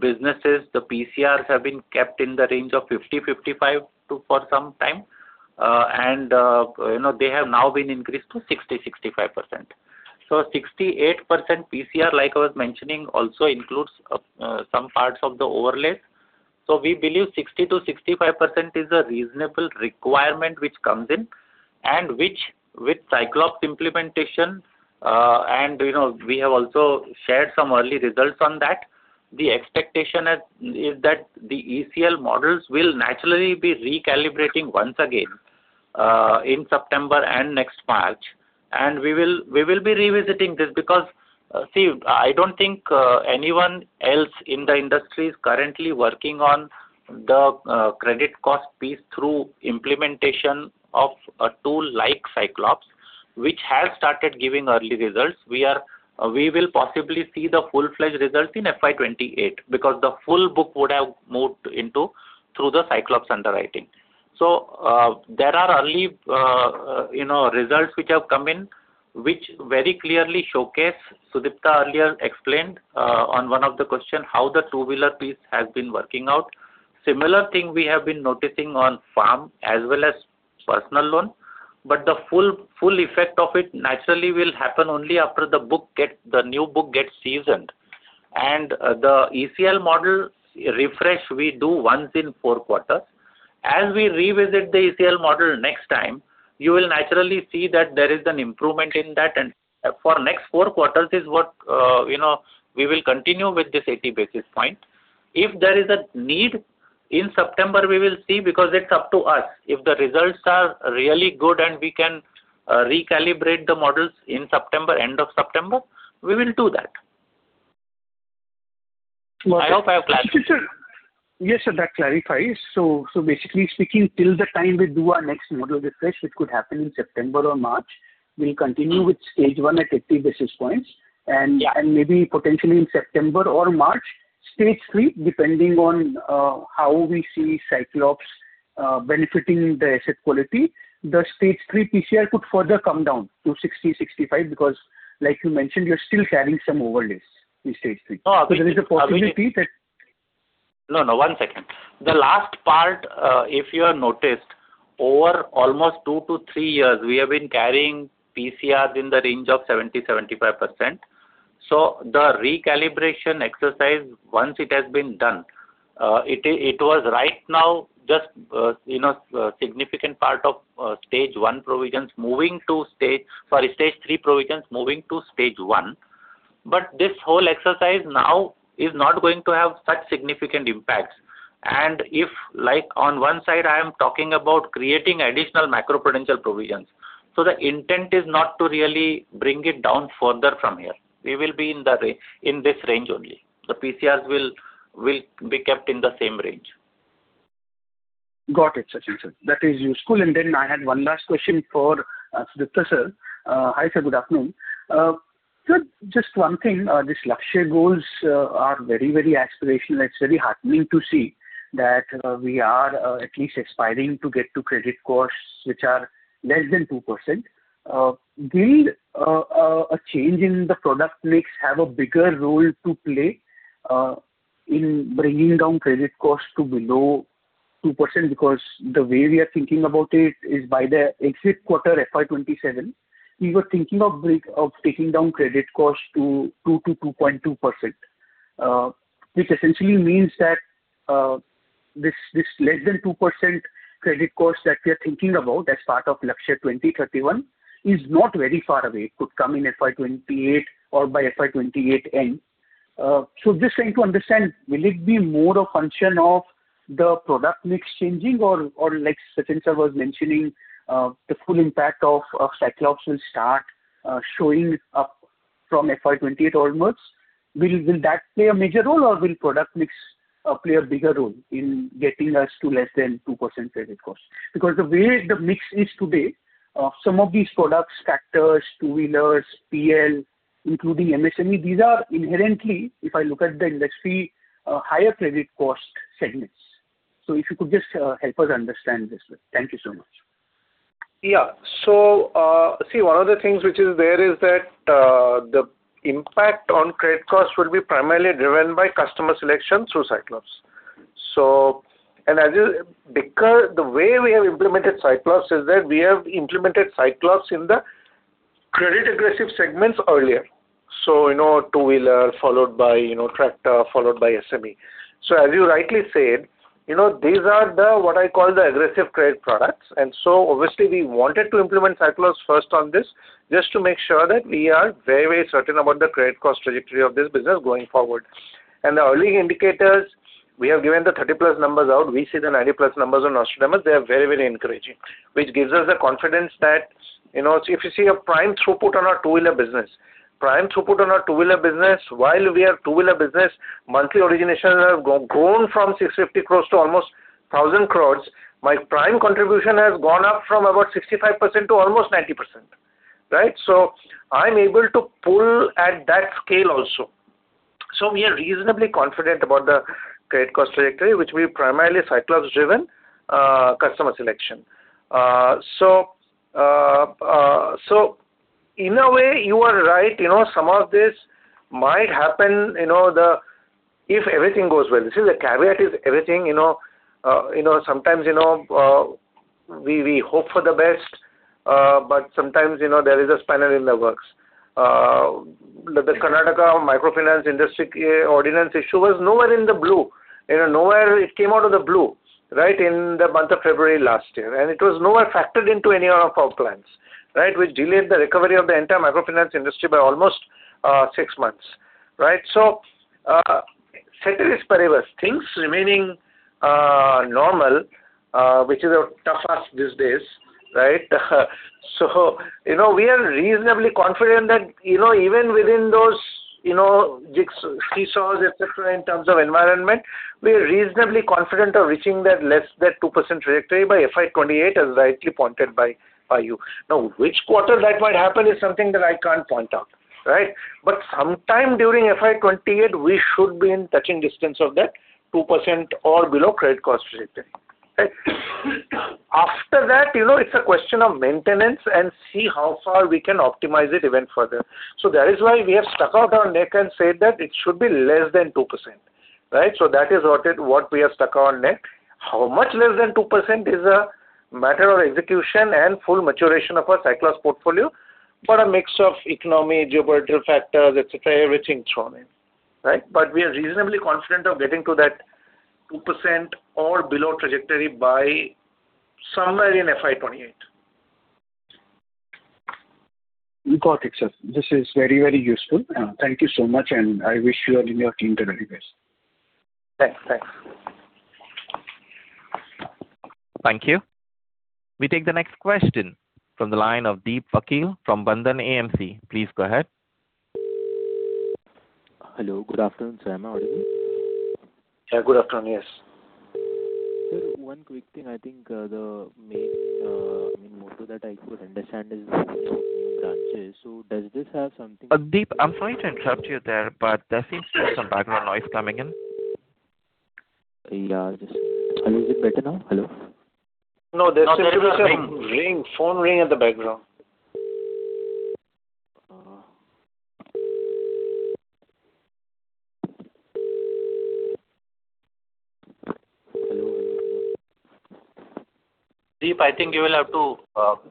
businesses, the PCRs have been kept in the range of 50%-55% for some time. You know, they have now been increased to 60%-65%. 68% PCR, like I was mentioning, also includes some parts of the overlays. We believe 60%-65% is a reasonable requirement which comes in and which with Cyclops implementation, and you know, we have also shared some early results on that. The expectation is that the ECL models will naturally be recalibrating once again in September and next March. We will be revisiting this because I don't think anyone else in the industry is currently working on the credit cost piece through implementation of a tool like Cyclops, which has started giving early results. We will possibly see the full-fledged results in FY 2028 because the full book would have moved into through the Cyclops underwriting. There are early, you know, results which have come in, which very clearly showcase Sudipta earlier explained on one of the question, how the two-wheeler piece has been working out. Similar thing we have been noticing on farm as well as personal loan, but the full effect of it naturally will happen only after the book get, the new book gets seasoned. The ECL model refresh we do once in four quarters. As we revisit the ECL model next time, you will naturally see that there is an improvement in that and for next four quarters is what we will continue with this 80 basis point. If there is a need, in September we will see because it's up to us. If the results are really good and we can recalibrate the models in September, end of September, we will do that. I hope I have clarified. Yes, sir. That clarifies. Basically speaking, till the time we do our next model refresh, which could happen in September or March, we'll continue with Stage 1 at 50 basis points. Yeah. Maybe potentially in September or March, Stage 3, depending on how we see Cyclops benefiting the asset quality, the Stage 3 PCR could further come down to 60-65 because, like you mentioned, you're still carrying some overlays in Stage 3. Oh, absolutely. There is a possibility that. No, no. One second. The last part, if you have noticed, over almost 2-3 years, we have been carrying PCRs in the range of 70%-75%. The recalibration exercise, once it has been done, it was right now just, you know, a significant part of, Stage 3 provisions moving to Stage 1. This whole exercise now is not going to have such significant impacts. If like on one side, I am talking about creating additional macroprudential provisions, the intent is not to really bring it down further from here. We will be in this range only. The PCRs will be kept in the same range. Got it, Sachinn sir. That is useful. I had one last question for Sudipta sir. Hi, sir. Good afternoon. Just one thing, this Lakshya goals are very, very aspirational. It's very heartening to see that we are at least aspiring to get to credit costs which are less than 2%. Will a change in the product mix have a bigger role to play in bringing down credit costs to below 2%? Because the way we are thinking about it is by the exit quarter FY 2027, we were thinking of taking down credit costs to 2%-2.2%. Which essentially means that this less than 2% credit costs that we are thinking about as part of Lakshya 2031 is not very far away. It could come in FY 2028 or by FY 2028 end. Just trying to understand, will it be more a function of the product mix changing or, like Sachinn sir was mentioning, the full impact of Cyclops will start showing up from FY 2028 onwards. Will that play a major role or will product mix play a bigger role in getting us to less than 2% credit costs? Because the way the mix is today, some of these products, tractors, two-wheelers, PL, including MSME, these are inherently, if I look at the industry, higher credit cost segments. If you could just help us understand this. Thank you so much. Yeah. See, one of the things which is there is that, the impact on credit costs will be primarily driven by customer selection through Cyclops. Because the way we have implemented Cyclops is that we have implemented Cyclops in the credit aggressive segments earlier. You know, two-wheeler followed by, you know, tractor, followed by SME. As you rightly said, you know, these are the, what I call the aggressive credit products. Obviously we wanted to implement Cyclops first on this, just to make sure that we are very, very certain about the credit cost trajectory of this business going forward. The early indicators, we have given the 30+ numbers out. We see the 90+ numbers on Nostradamus numbers. They are very, very encouraging, which gives us the confidence that, you know, if you see a prime throughput on our two-wheeler business. In our two-wheeler business, monthly originations have grown from 650 crore to almost 1,000 crore. Our prime contribution has gone up from about 65% to almost 90%, right? I'm able to pull at that scale also. We are reasonably confident about the credit cost trajectory, which is primarily Cyclops-driven customer selection. In a way you are right. You know, some of this might happen, you know, if everything goes well. This caveat is everything, you know. You know, sometimes, you know, we hope for the best, but sometimes, you know, there is a spanner in the works. The Karnataka Microfinance Ordinance issue came out of the blue, right? In the month of February last year. It was nowhere factored into any of our plans, right? Which delayed the recovery of the entire microfinance industry by almost six months, right? Ceteris paribus things remaining normal, which is a tough ask these days, right? You know, we are reasonably confident that, you know, even within those, you know, jigs, seesaws, et cetera, in terms of environment, we are reasonably confident of reaching that less than 2% trajectory by FY 2028, as rightly pointed by you. Now, which quarter that might happen is something that I can't point out, right? Sometime during FY 2028, we should be in touching distance of that 2% or below credit cost trajectory. Right. After that, you know, it's a question of maintenance and see how far we can optimize it even further. That is why we have stuck out our neck and said that it should be less than 2%, right? How much less than 2% is a matter of execution and full maturation of our Cyclops portfolio for a mix of economic, geopolitical factors, et cetera, everything thrown in, right? We are reasonably confident of getting to that 2% or below trajectory by somewhere in FY 2028. Got it, sir. This is very, very useful. Thank you so much and I wish you and your team the very best. Thanks. Thanks. Thank you. We take the next question from the line of Deep Vakil from Bandhan AMC. Please go ahead. Hello. Good afternoon, sir. Am I audible? Yeah. Good afternoon. Yes. Sir, one quick thing. I think, the main, I mean, motto that I could understand is new branches. Does this have something. Deep, I'm sorry to interrupt you there, but there seems to be some background noise coming in. Yeah. Is it better now? Hello. No. There seems to be some phone ringing in the background. Hello. Deep, I think you will have to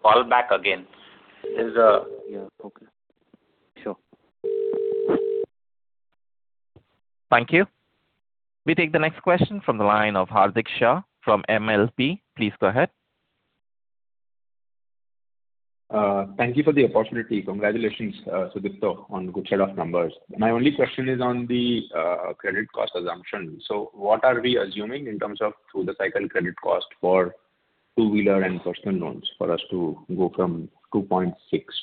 call back again. Yeah. Okay. Sure. Thank you. We take the next question from the line of Hardik Shah from MLP. Please go ahead. Thank you for the opportunity. Congratulations, Sudipta on good set of numbers. My only question is on the credit cost assumption. What are we assuming in terms of through the cycle credit cost for two-wheeler and personal loans for us to go from 2.6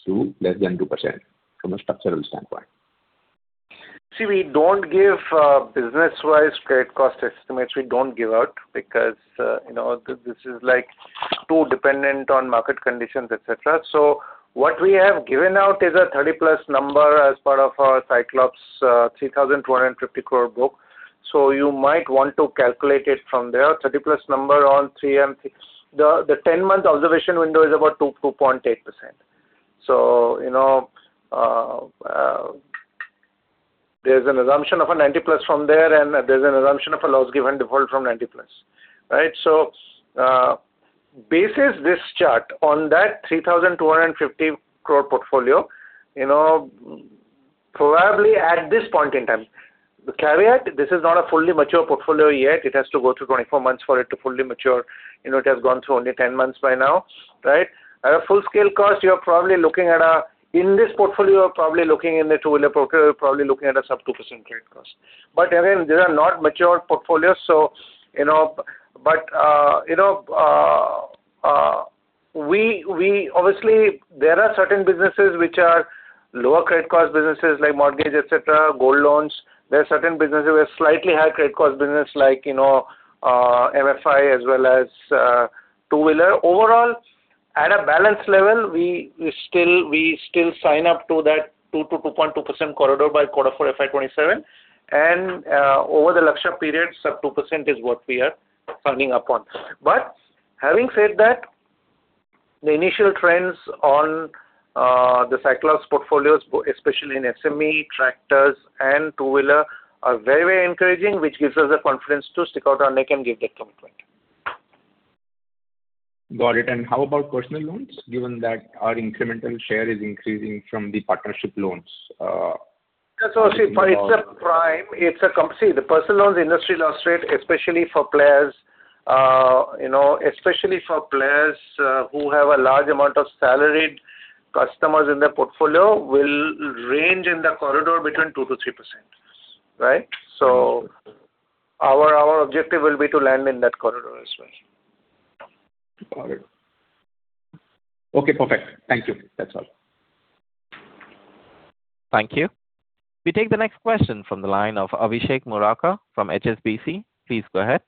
to less than 2% from a structural standpoint? See, we don't give business-wise credit cost estimates. We don't give out because you know, this is like too dependent on market conditions, et cetera. What we have given out is a 30+ number as part of our Cyclops 3,250 crore book. You might want to calculate it from there. 30+ number on three and six. The 10-month observation window is about 2.8%. You know, there's an assumption of a 90+ from there, and there's an assumption of a loss given default from 90+. Right. Based on this chart on that 3,250 crore portfolio, you know, probably at this point in time, the caveat, this is not a fully mature portfolio yet. It has to go to 24 months for it to fully mature. You know, it has gone through only 10 months by now, right? At a full scale cost, you are probably looking at a. In this portfolio, in the two-wheeler portfolio, you are probably looking at a sub 2% credit cost. But again, these are not matured portfolios, so, you know. But we obviously, there are certain businesses which are lower credit cost businesses like mortgage, et cetera, gold loans. There are certain businesses with slightly higher credit cost business like, you know, MFI as well as, two-wheeler. Overall at a balance level, we still sign up to that 2%-2.2% corridor by Q4 FY 2027. Over the Lakshya periods, sub 2% is what we are signing up on. Having said that, the initial trends on the Cyclops portfolios, especially in SME, tractors and Two-Wheeler, are very, very encouraging, which gives us the confidence to stick out our neck and give that commitment. Got it. How about Personal Loans, given that our incremental share is increasing from the partnership loans? Yeah. About. See, the Personal Loans industry loss rate, especially for players, you know, who have a large amount of salaried customers in their portfolio, will range in the corridor between 2%-3%. Right. Our objective will be to land in that corridor as well. Got it. Okay, perfect. Thank you. That's all. Thank you. We take the next question from the line of Abhishek Murarka from HSBC. Please go ahead.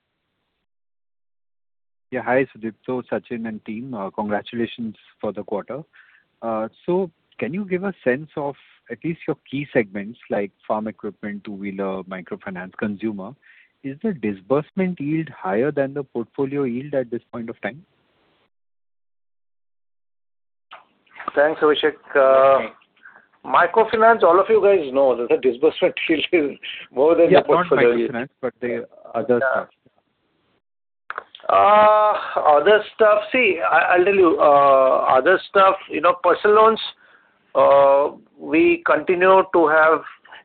Hi, Sudipta, Sachinn and team. Congratulations for the quarter. Can you give a sense of at least your key segments like farm equipment, two-wheeler, microfinance consumer? Is the disbursement yield higher than the portfolio yield at this point of time? Thanks, Abhishek. Microfinance, all of you guys know that the disbursement yield is more than the portfolio yield. Yeah. Not microfinance, but the other stuff. Yeah. Other stuff. See, I'll tell you. Other stuff, you know, Personal Loans, we continue to have.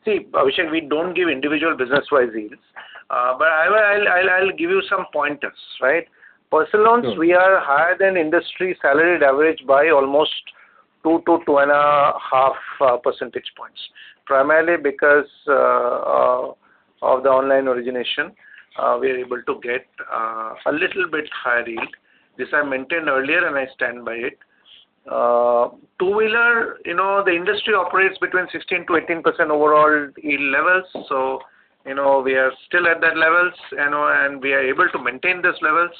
See, Abhishek, we don't give individual business-wise yields. But I'll give you some pointers, right? Personal Loans, we are higher than industry average by almost 2-2.5 percentage points. Primarily because of the online origination, we're able to get a little bit higher yield. This I maintained earlier, and I stand by it. Two-Wheeler, you know, the industry operates between 16%-18% overall yield levels. You know, we are still at that levels, you know, and we are able to maintain these levels.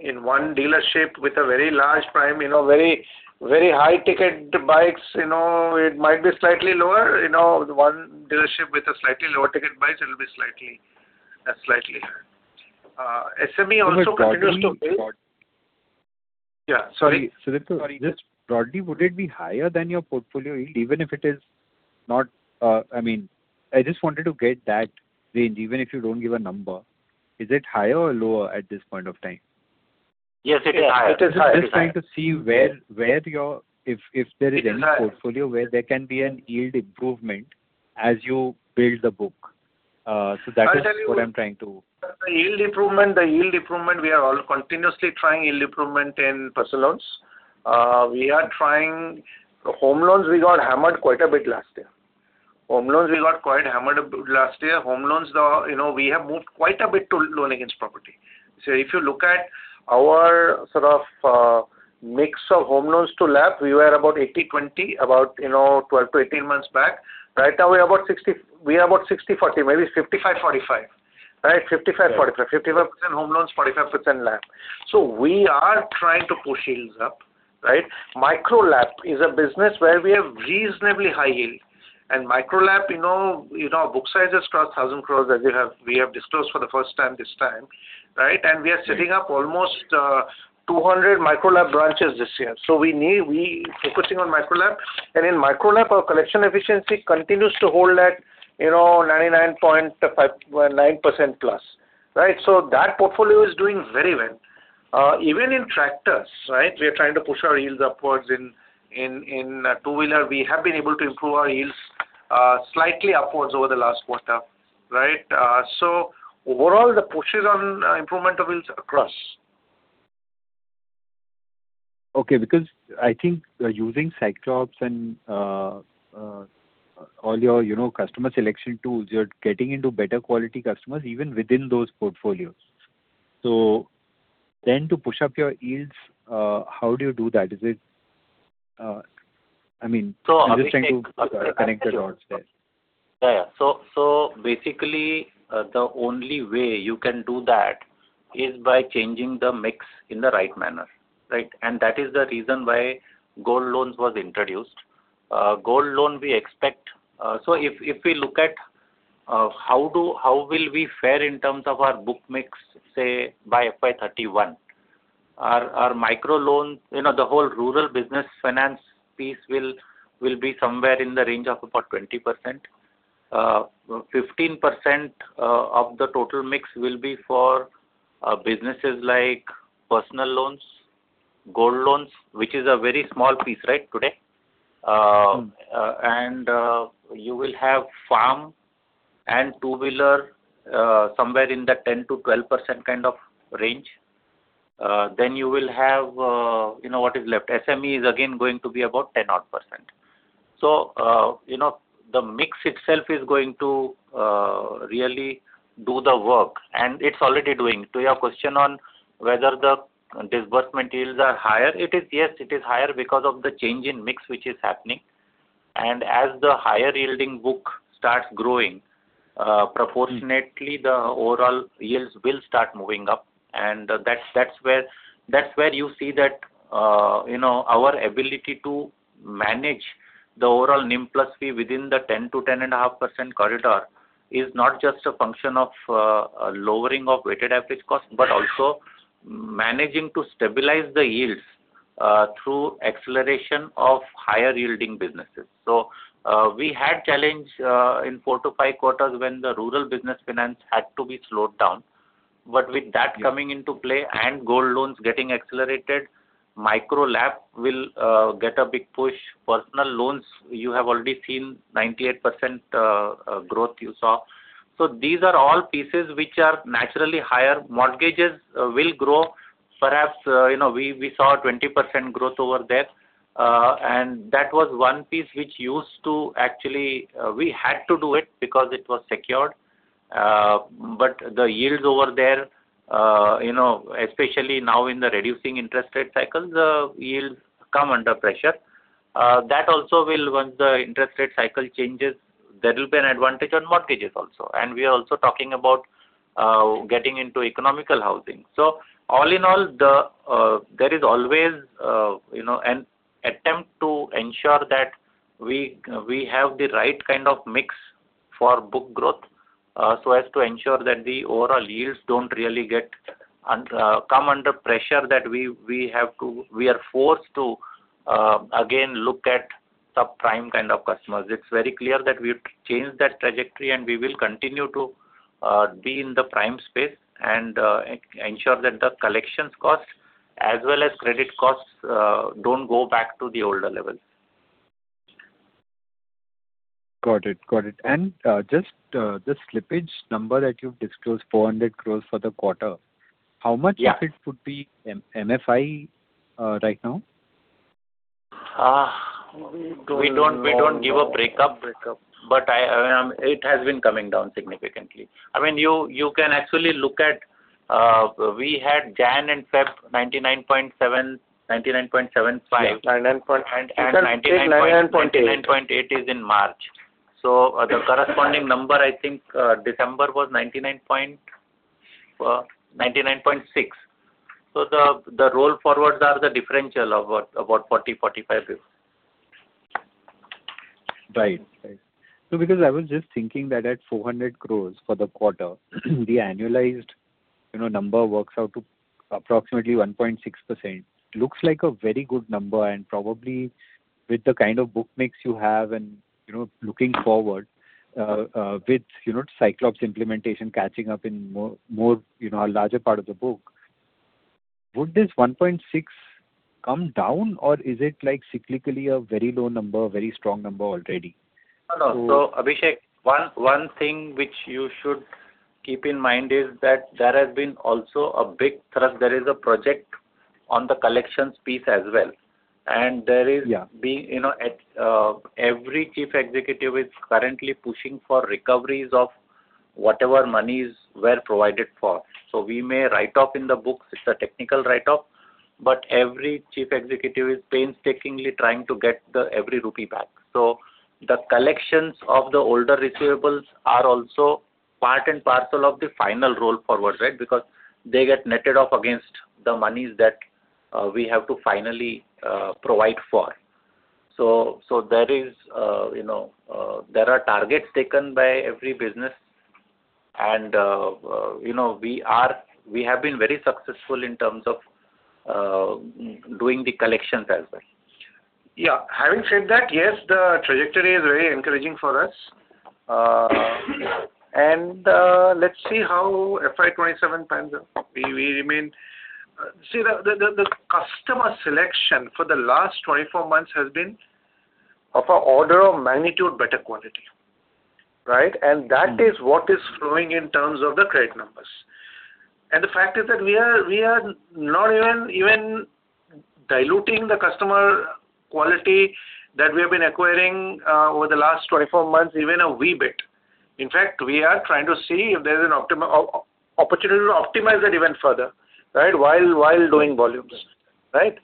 In one dealership with a very large prime, you know, very, very high-ticket bikes, you know, it might be slightly lower. You know, the one dealership with a slightly lower-ticket bikes, it'll be slightly higher. SME also continues to build. Broadly. Yeah, sorry. Sorry. Sudipta, just broadly, would it be higher than your portfolio yield? Even if it is not, I mean, I just wanted to get that range, even if you don't give a number. Is it higher or lower at this point of time? Yes, it is higher. I'm just trying to see if there is any portfolio where there can be a yield improvement as you build the book. That is what I'm trying to. I'll tell you. The yield improvement we are all continuously trying in personal loans. Home Loans we got hammered quite a bit last year. Home Loans, you know, we have moved quite a bit to Loan Against Property. If you look at our sort of mix of Home Loans to LAP, we were about 80-20 about, you know, 12-18 months back. Right now we are about 60-40, maybe 55-45. Right? 55-45. 55% Home Loans, 45% LAP. We are trying to push yields up, right? micro LAP is a business where we have reasonably high yield. Micro LAP, you know our book size has crossed 1,000 crore as we have disclosed for the first time this time, right? We are setting up almost 200 Micro LAP branches this year. We're focusing on Micro LAP. In Micro LAP our collection efficiency continues to hold at, you know, 99.59%+, right? That portfolio is doing very well. Even in tractors, right? We are trying to push our yields upwards in two-wheeler. We have been able to improve our yields slightly upwards over the last quarter, right? Overall the push is on improvement of yields across. Okay, because I think using Cyclops and all your customer selection tools, you're getting into better quality customers even within those portfolios. To push up your yields, how do you do that? Is it? I mean, I'm just trying to connect the dots there. Basically, the only way you can do that is by changing the mix in the right manner, right? That is the reason why Gold Loans was introduced. If we look at how we will fare in terms of our book mix, say by FY 2031. Our Micro Loan, you know, the whole Rural Business Finance piece will be somewhere in the range of about 20%. 15% of the total mix will be for businesses like Personal Loans, Gold Loans, which is a very small piece, right, today. You will have farm and two-wheeler somewhere in that 10%-12% kind of range. Then you will have, you know what is left. SME is again going to be about 10 odd %. So, you know, the mix itself is going to really do the work, and it's already doing. To your question on whether the disbursement yields are higher, it is yes, it is higher because of the change in mix which is happening. As the higher-yielding book starts growing proportionately the overall yields will start moving up. That's where you see that, you know, our ability to manage the overall NIM plus fee within the 10%-10.5% corridor is not just a function of lowering of weighted average cost but also managing to stabilize the yields through acceleration of higher-yielding businesses. We had challenge in 4-5 quarters when the Rural Business Finance had to be slowed down. With that coming into play and Gold Loans getting accelerated, Micro LAP will get a big push. Personal Loans you have already seen 98% growth you saw. These are all pieces which are naturally higher. Mortgages will grow. Perhaps, you know, we saw 20% growth over there. That was one piece which used to actually we had to do it because it was secured. But the yields over there, you know, especially now in the reducing interest rate cycles, yields come under pressure. That also will once the interest rate cycle changes, there will be an advantage on mortgages also. We are also talking about getting into economical housing. All in all the, there is always, you know, an attempt to ensure that we have the right kind of mix for book growth, so as to ensure that the overall yields don't really come under pressure that we are forced to again look at sub-prime kind of customers. It's very clear that we've changed that trajectory and we will continue to be in the prime space and ensure that the collections costs as well as credit costs don't go back to the older levels. Got it. Just the slippage number that you've disclosed, 400 crore for the quarter. Yeah. How much of it would be M-MFI, right now? We don't give a breakup. It has been coming down significantly. You can actually look at. We had Jan and Feb 99.7%, 99.75%. Yeah. 9 point. And, and ninety-nine point. It's at 89.8%. 99.8% is in March. The corresponding number I think, December was 99.6%. The roll forwards are the differential of about 40-45 basis. Right. No, because I was just thinking that at 400 crore for the quarter, the annualized, you know, number works out to approximately 1.6%. Looks like a very good number and probably with the kind of book mix you have and, you know, looking forward, with, you know, Cyclops implementation catching up in more, you know, a larger part of the book. Would this 1.6% come down or is it like cyclically a very low number, a very strong number already? No, no. Abhishek, one thing which you should keep in mind is that there has been also a big thrust. There is a project on the collections piece as well. There is. Yeah. Every chief executive is currently pushing for recoveries of whatever monies were provided for. We may write off in the books; it's a technical write off, but every chief executive is painstakingly trying to get every rupee back. The collections of the older receivables are also part and parcel of the final roll forward, right? Because they get netted off against the monies that we have to finally provide for. There are targets taken by every business and, you know, we have been very successful in terms of doing the collections as well. Yeah. Having said that, yes, the trajectory is very encouraging for us. Let's see how FY 2027 pans out. We remain. See, the customer selection for the last 24 months has been of an order of magnitude better quality, right? That is what is flowing in terms of the credit numbers. The fact is that we are not even diluting the customer quality that we have been acquiring over the last 24 months even a wee bit. In fact, we are trying to see if there's an opportunity to optimize it even further, right? While doing volumes. Right?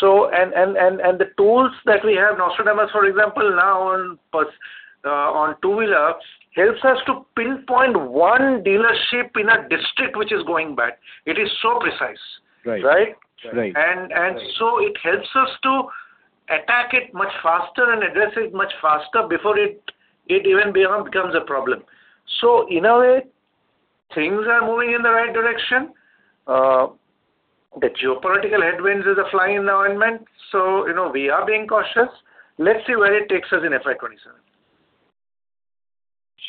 The tools that we have, Nostradamus for example now on Two-Wheeler helps us to pinpoint one dealership in a district which is going bad. It is so precise. Right. Right? Right. It helps us to attack it much faster and address it much faster before it even becomes a problem. In a way, things are moving in the right direction. The geopolitical headwinds is a fly in the ointment. You know, we are being cautious. Let's see where it takes us in FY 2027.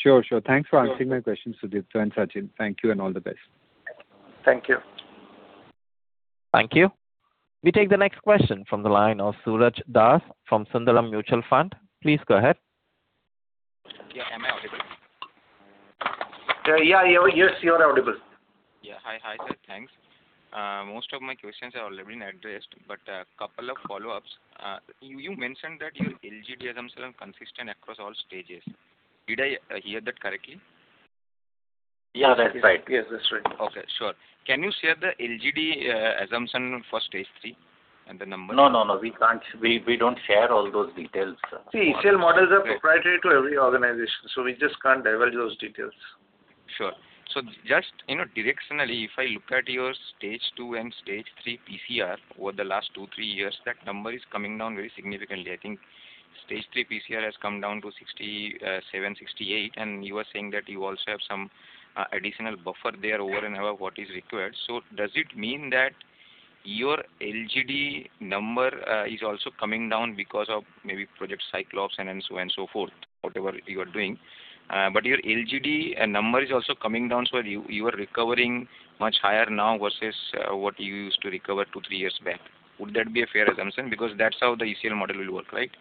Sure. Thanks for answering my questions, Sudipta and Sachinn. Thank you and all the best. Thank you. Thank you. We take the next question from the line of Suraj Das from Sundaram Mutual Fund. Please go ahead. Yeah. Am I audible? Yeah. Yes, you are audible. Yeah. Hi. Hi, sir. Thanks. Most of my questions have already been addressed, but a couple of follow-ups. You mentioned that your LGD assumption are consistent across all stages. Did I hear that correctly? Yeah, that's right. Yes, that's right. Okay. Sure. Can you share the LGD assumption for Stage 3 and the number? No. We can't. We don't share all those details, sir. See, ECL models are proprietary to every organization, so we just can't divulge those details. Sure. Just, you know, directionally, if I look at your Stage 2 and Stage 3 PCR over the last two, three years, that number is coming down very significantly. I think Stage 3 PCR has come down to 67%-68%, and you were saying that you also have some additional buffer there over and above what is required. Does it mean that your LGD number is also coming down because of maybe Project Cyclops and then so on, so forth, whatever you are doing. Your LGD number is also coming down, so you are recovering much higher now versus what you used to recover two, three years back. Would that be a fair assumption? Because that's how the ECL model will work, right?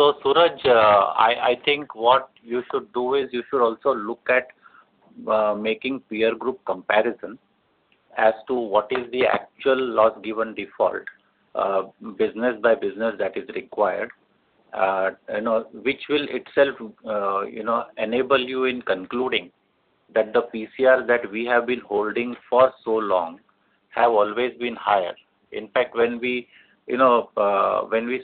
Suraj Das, I think what you should do is you should also look at making peer group comparisons to what is the actual loss given default, business by business that is required, you know, which will itself, you know, enable you in concluding that the PCR that we have been holding for so long have always been higher. In fact, when we, you know, when we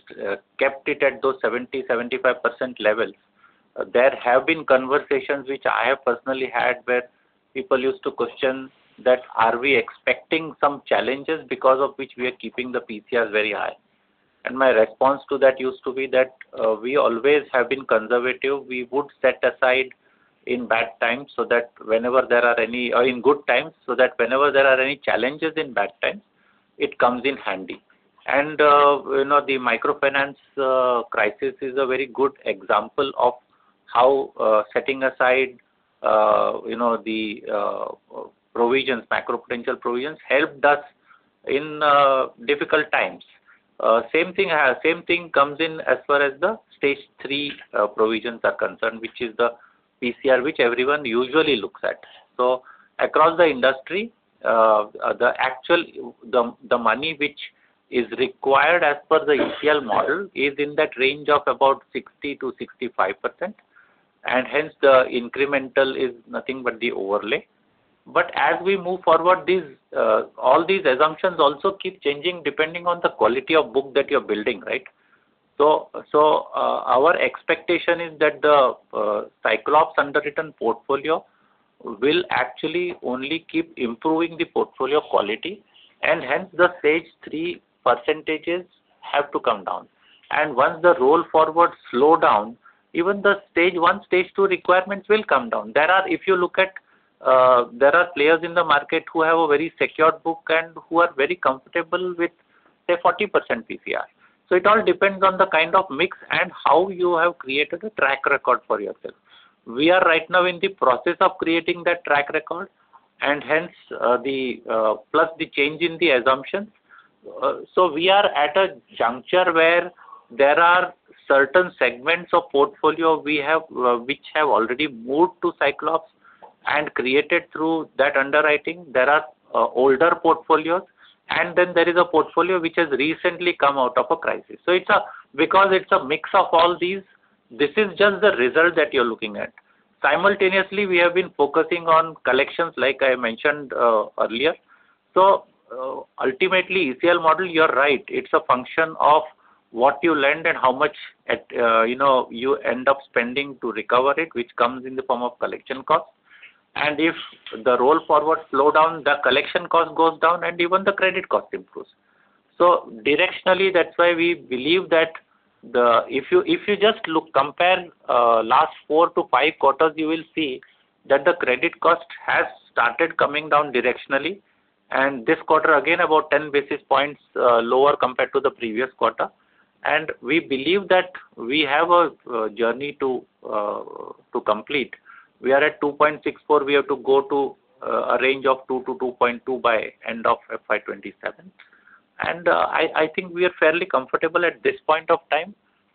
kept it at those 70%-75% levels, there have been conversations which I have personally had, where people used to question that, are we expecting some challenges because of which we are keeping the PCR very high. My response to that used to be that, we always have been conservative. We would set aside in bad times so that whenever there are any in good times, so that whenever there are any challenges in bad times, it comes in handy. You know, the microfinance crisis is a very good example of how setting aside you know the provisions, macro potential provisions, helped us in difficult times. Same thing comes in as far as the Stage 3 provisions are concerned, which is the PCR which everyone usually looks at. Across the industry, the actual money which is required as per the ECL model is in that range of about 60%-65%, and hence the incremental is nothing but the overlay. As we move forward, all these assumptions also keep changing depending on the quality of book that you're building, right? Our expectation is that the Cyclops underwritten portfolio will actually only keep improving the portfolio quality, and hence the Stage 3 percentages have to come down. Once the roll forward slow down, even the Stage 1, Stage 2 requirements will come down. If you look at, there are players in the market who have a very secured book and who are very comfortable with, say, 40% PCR. It all depends on the kind of mix and how you have created a track record for yourself. We are right now in the process of creating that track record, and hence, plus the change in the assumptions. We are at a juncture where there are certain segments of portfolio we have, which have already moved to Cyclops and created through that underwriting. There are older portfolios, and then there is a portfolio which has recently come out of a crisis. It's a mix of all these. Because it's a mix of all these, this is just the result that you're looking at. Simultaneously, we have been focusing on collections like I mentioned earlier. Ultimately, ECL model, you are right. It's a function of what you lend and how much that you know you end up spending to recover it, which comes in the form of collection costs. If the roll forward slow down, the collection cost goes down and even the credit cost improves. Directionally, that's why we believe that. If you just look, compare last 4-5 quarters, you will see that the credit cost has started coming down directionally. This quarter again about 10 basis points lower compared to the previous quarter. We believe that we have a journey to complete. We are at 2.64%. We have to go to a range of 2%-2.2% by end of FY 2027. I think we are fairly comfortable at this point of time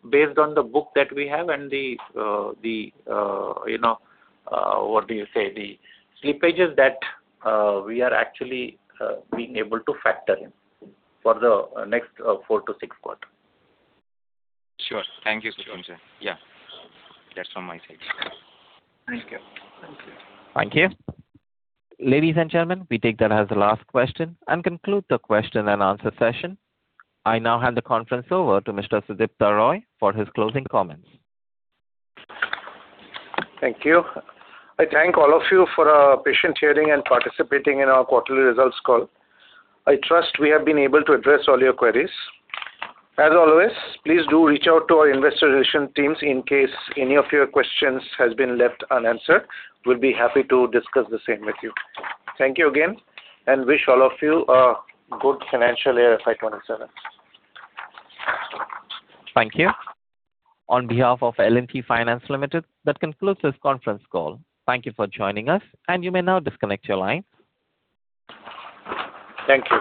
based on the book that we have and the you know what do you say? The slippages that we are actually being able to factor in for the next 4-6 quarters. Sure. Thank you, Sachinn. Yeah. That's from my side. Thank you. Thank you. Thank you. Ladies and gentlemen, we take that as the last question and conclude the question and answer session. I now hand the conference over to Mr. Sudipta Roy for his closing comments. Thank you. I thank all of you for patiently hearing and participating in our quarterly results call. I trust we have been able to address all your queries. As always, please do reach out to our investor relation teams in case any of your questions has been left unanswered. We'll be happy to discuss the same with you. Thank you again, and wish all of you a good financial year, FY 2027. Thank you. On behalf of L&T Finance Limited, that concludes this conference call. Thank you for joining us, and you may now disconnect your line. Thank you.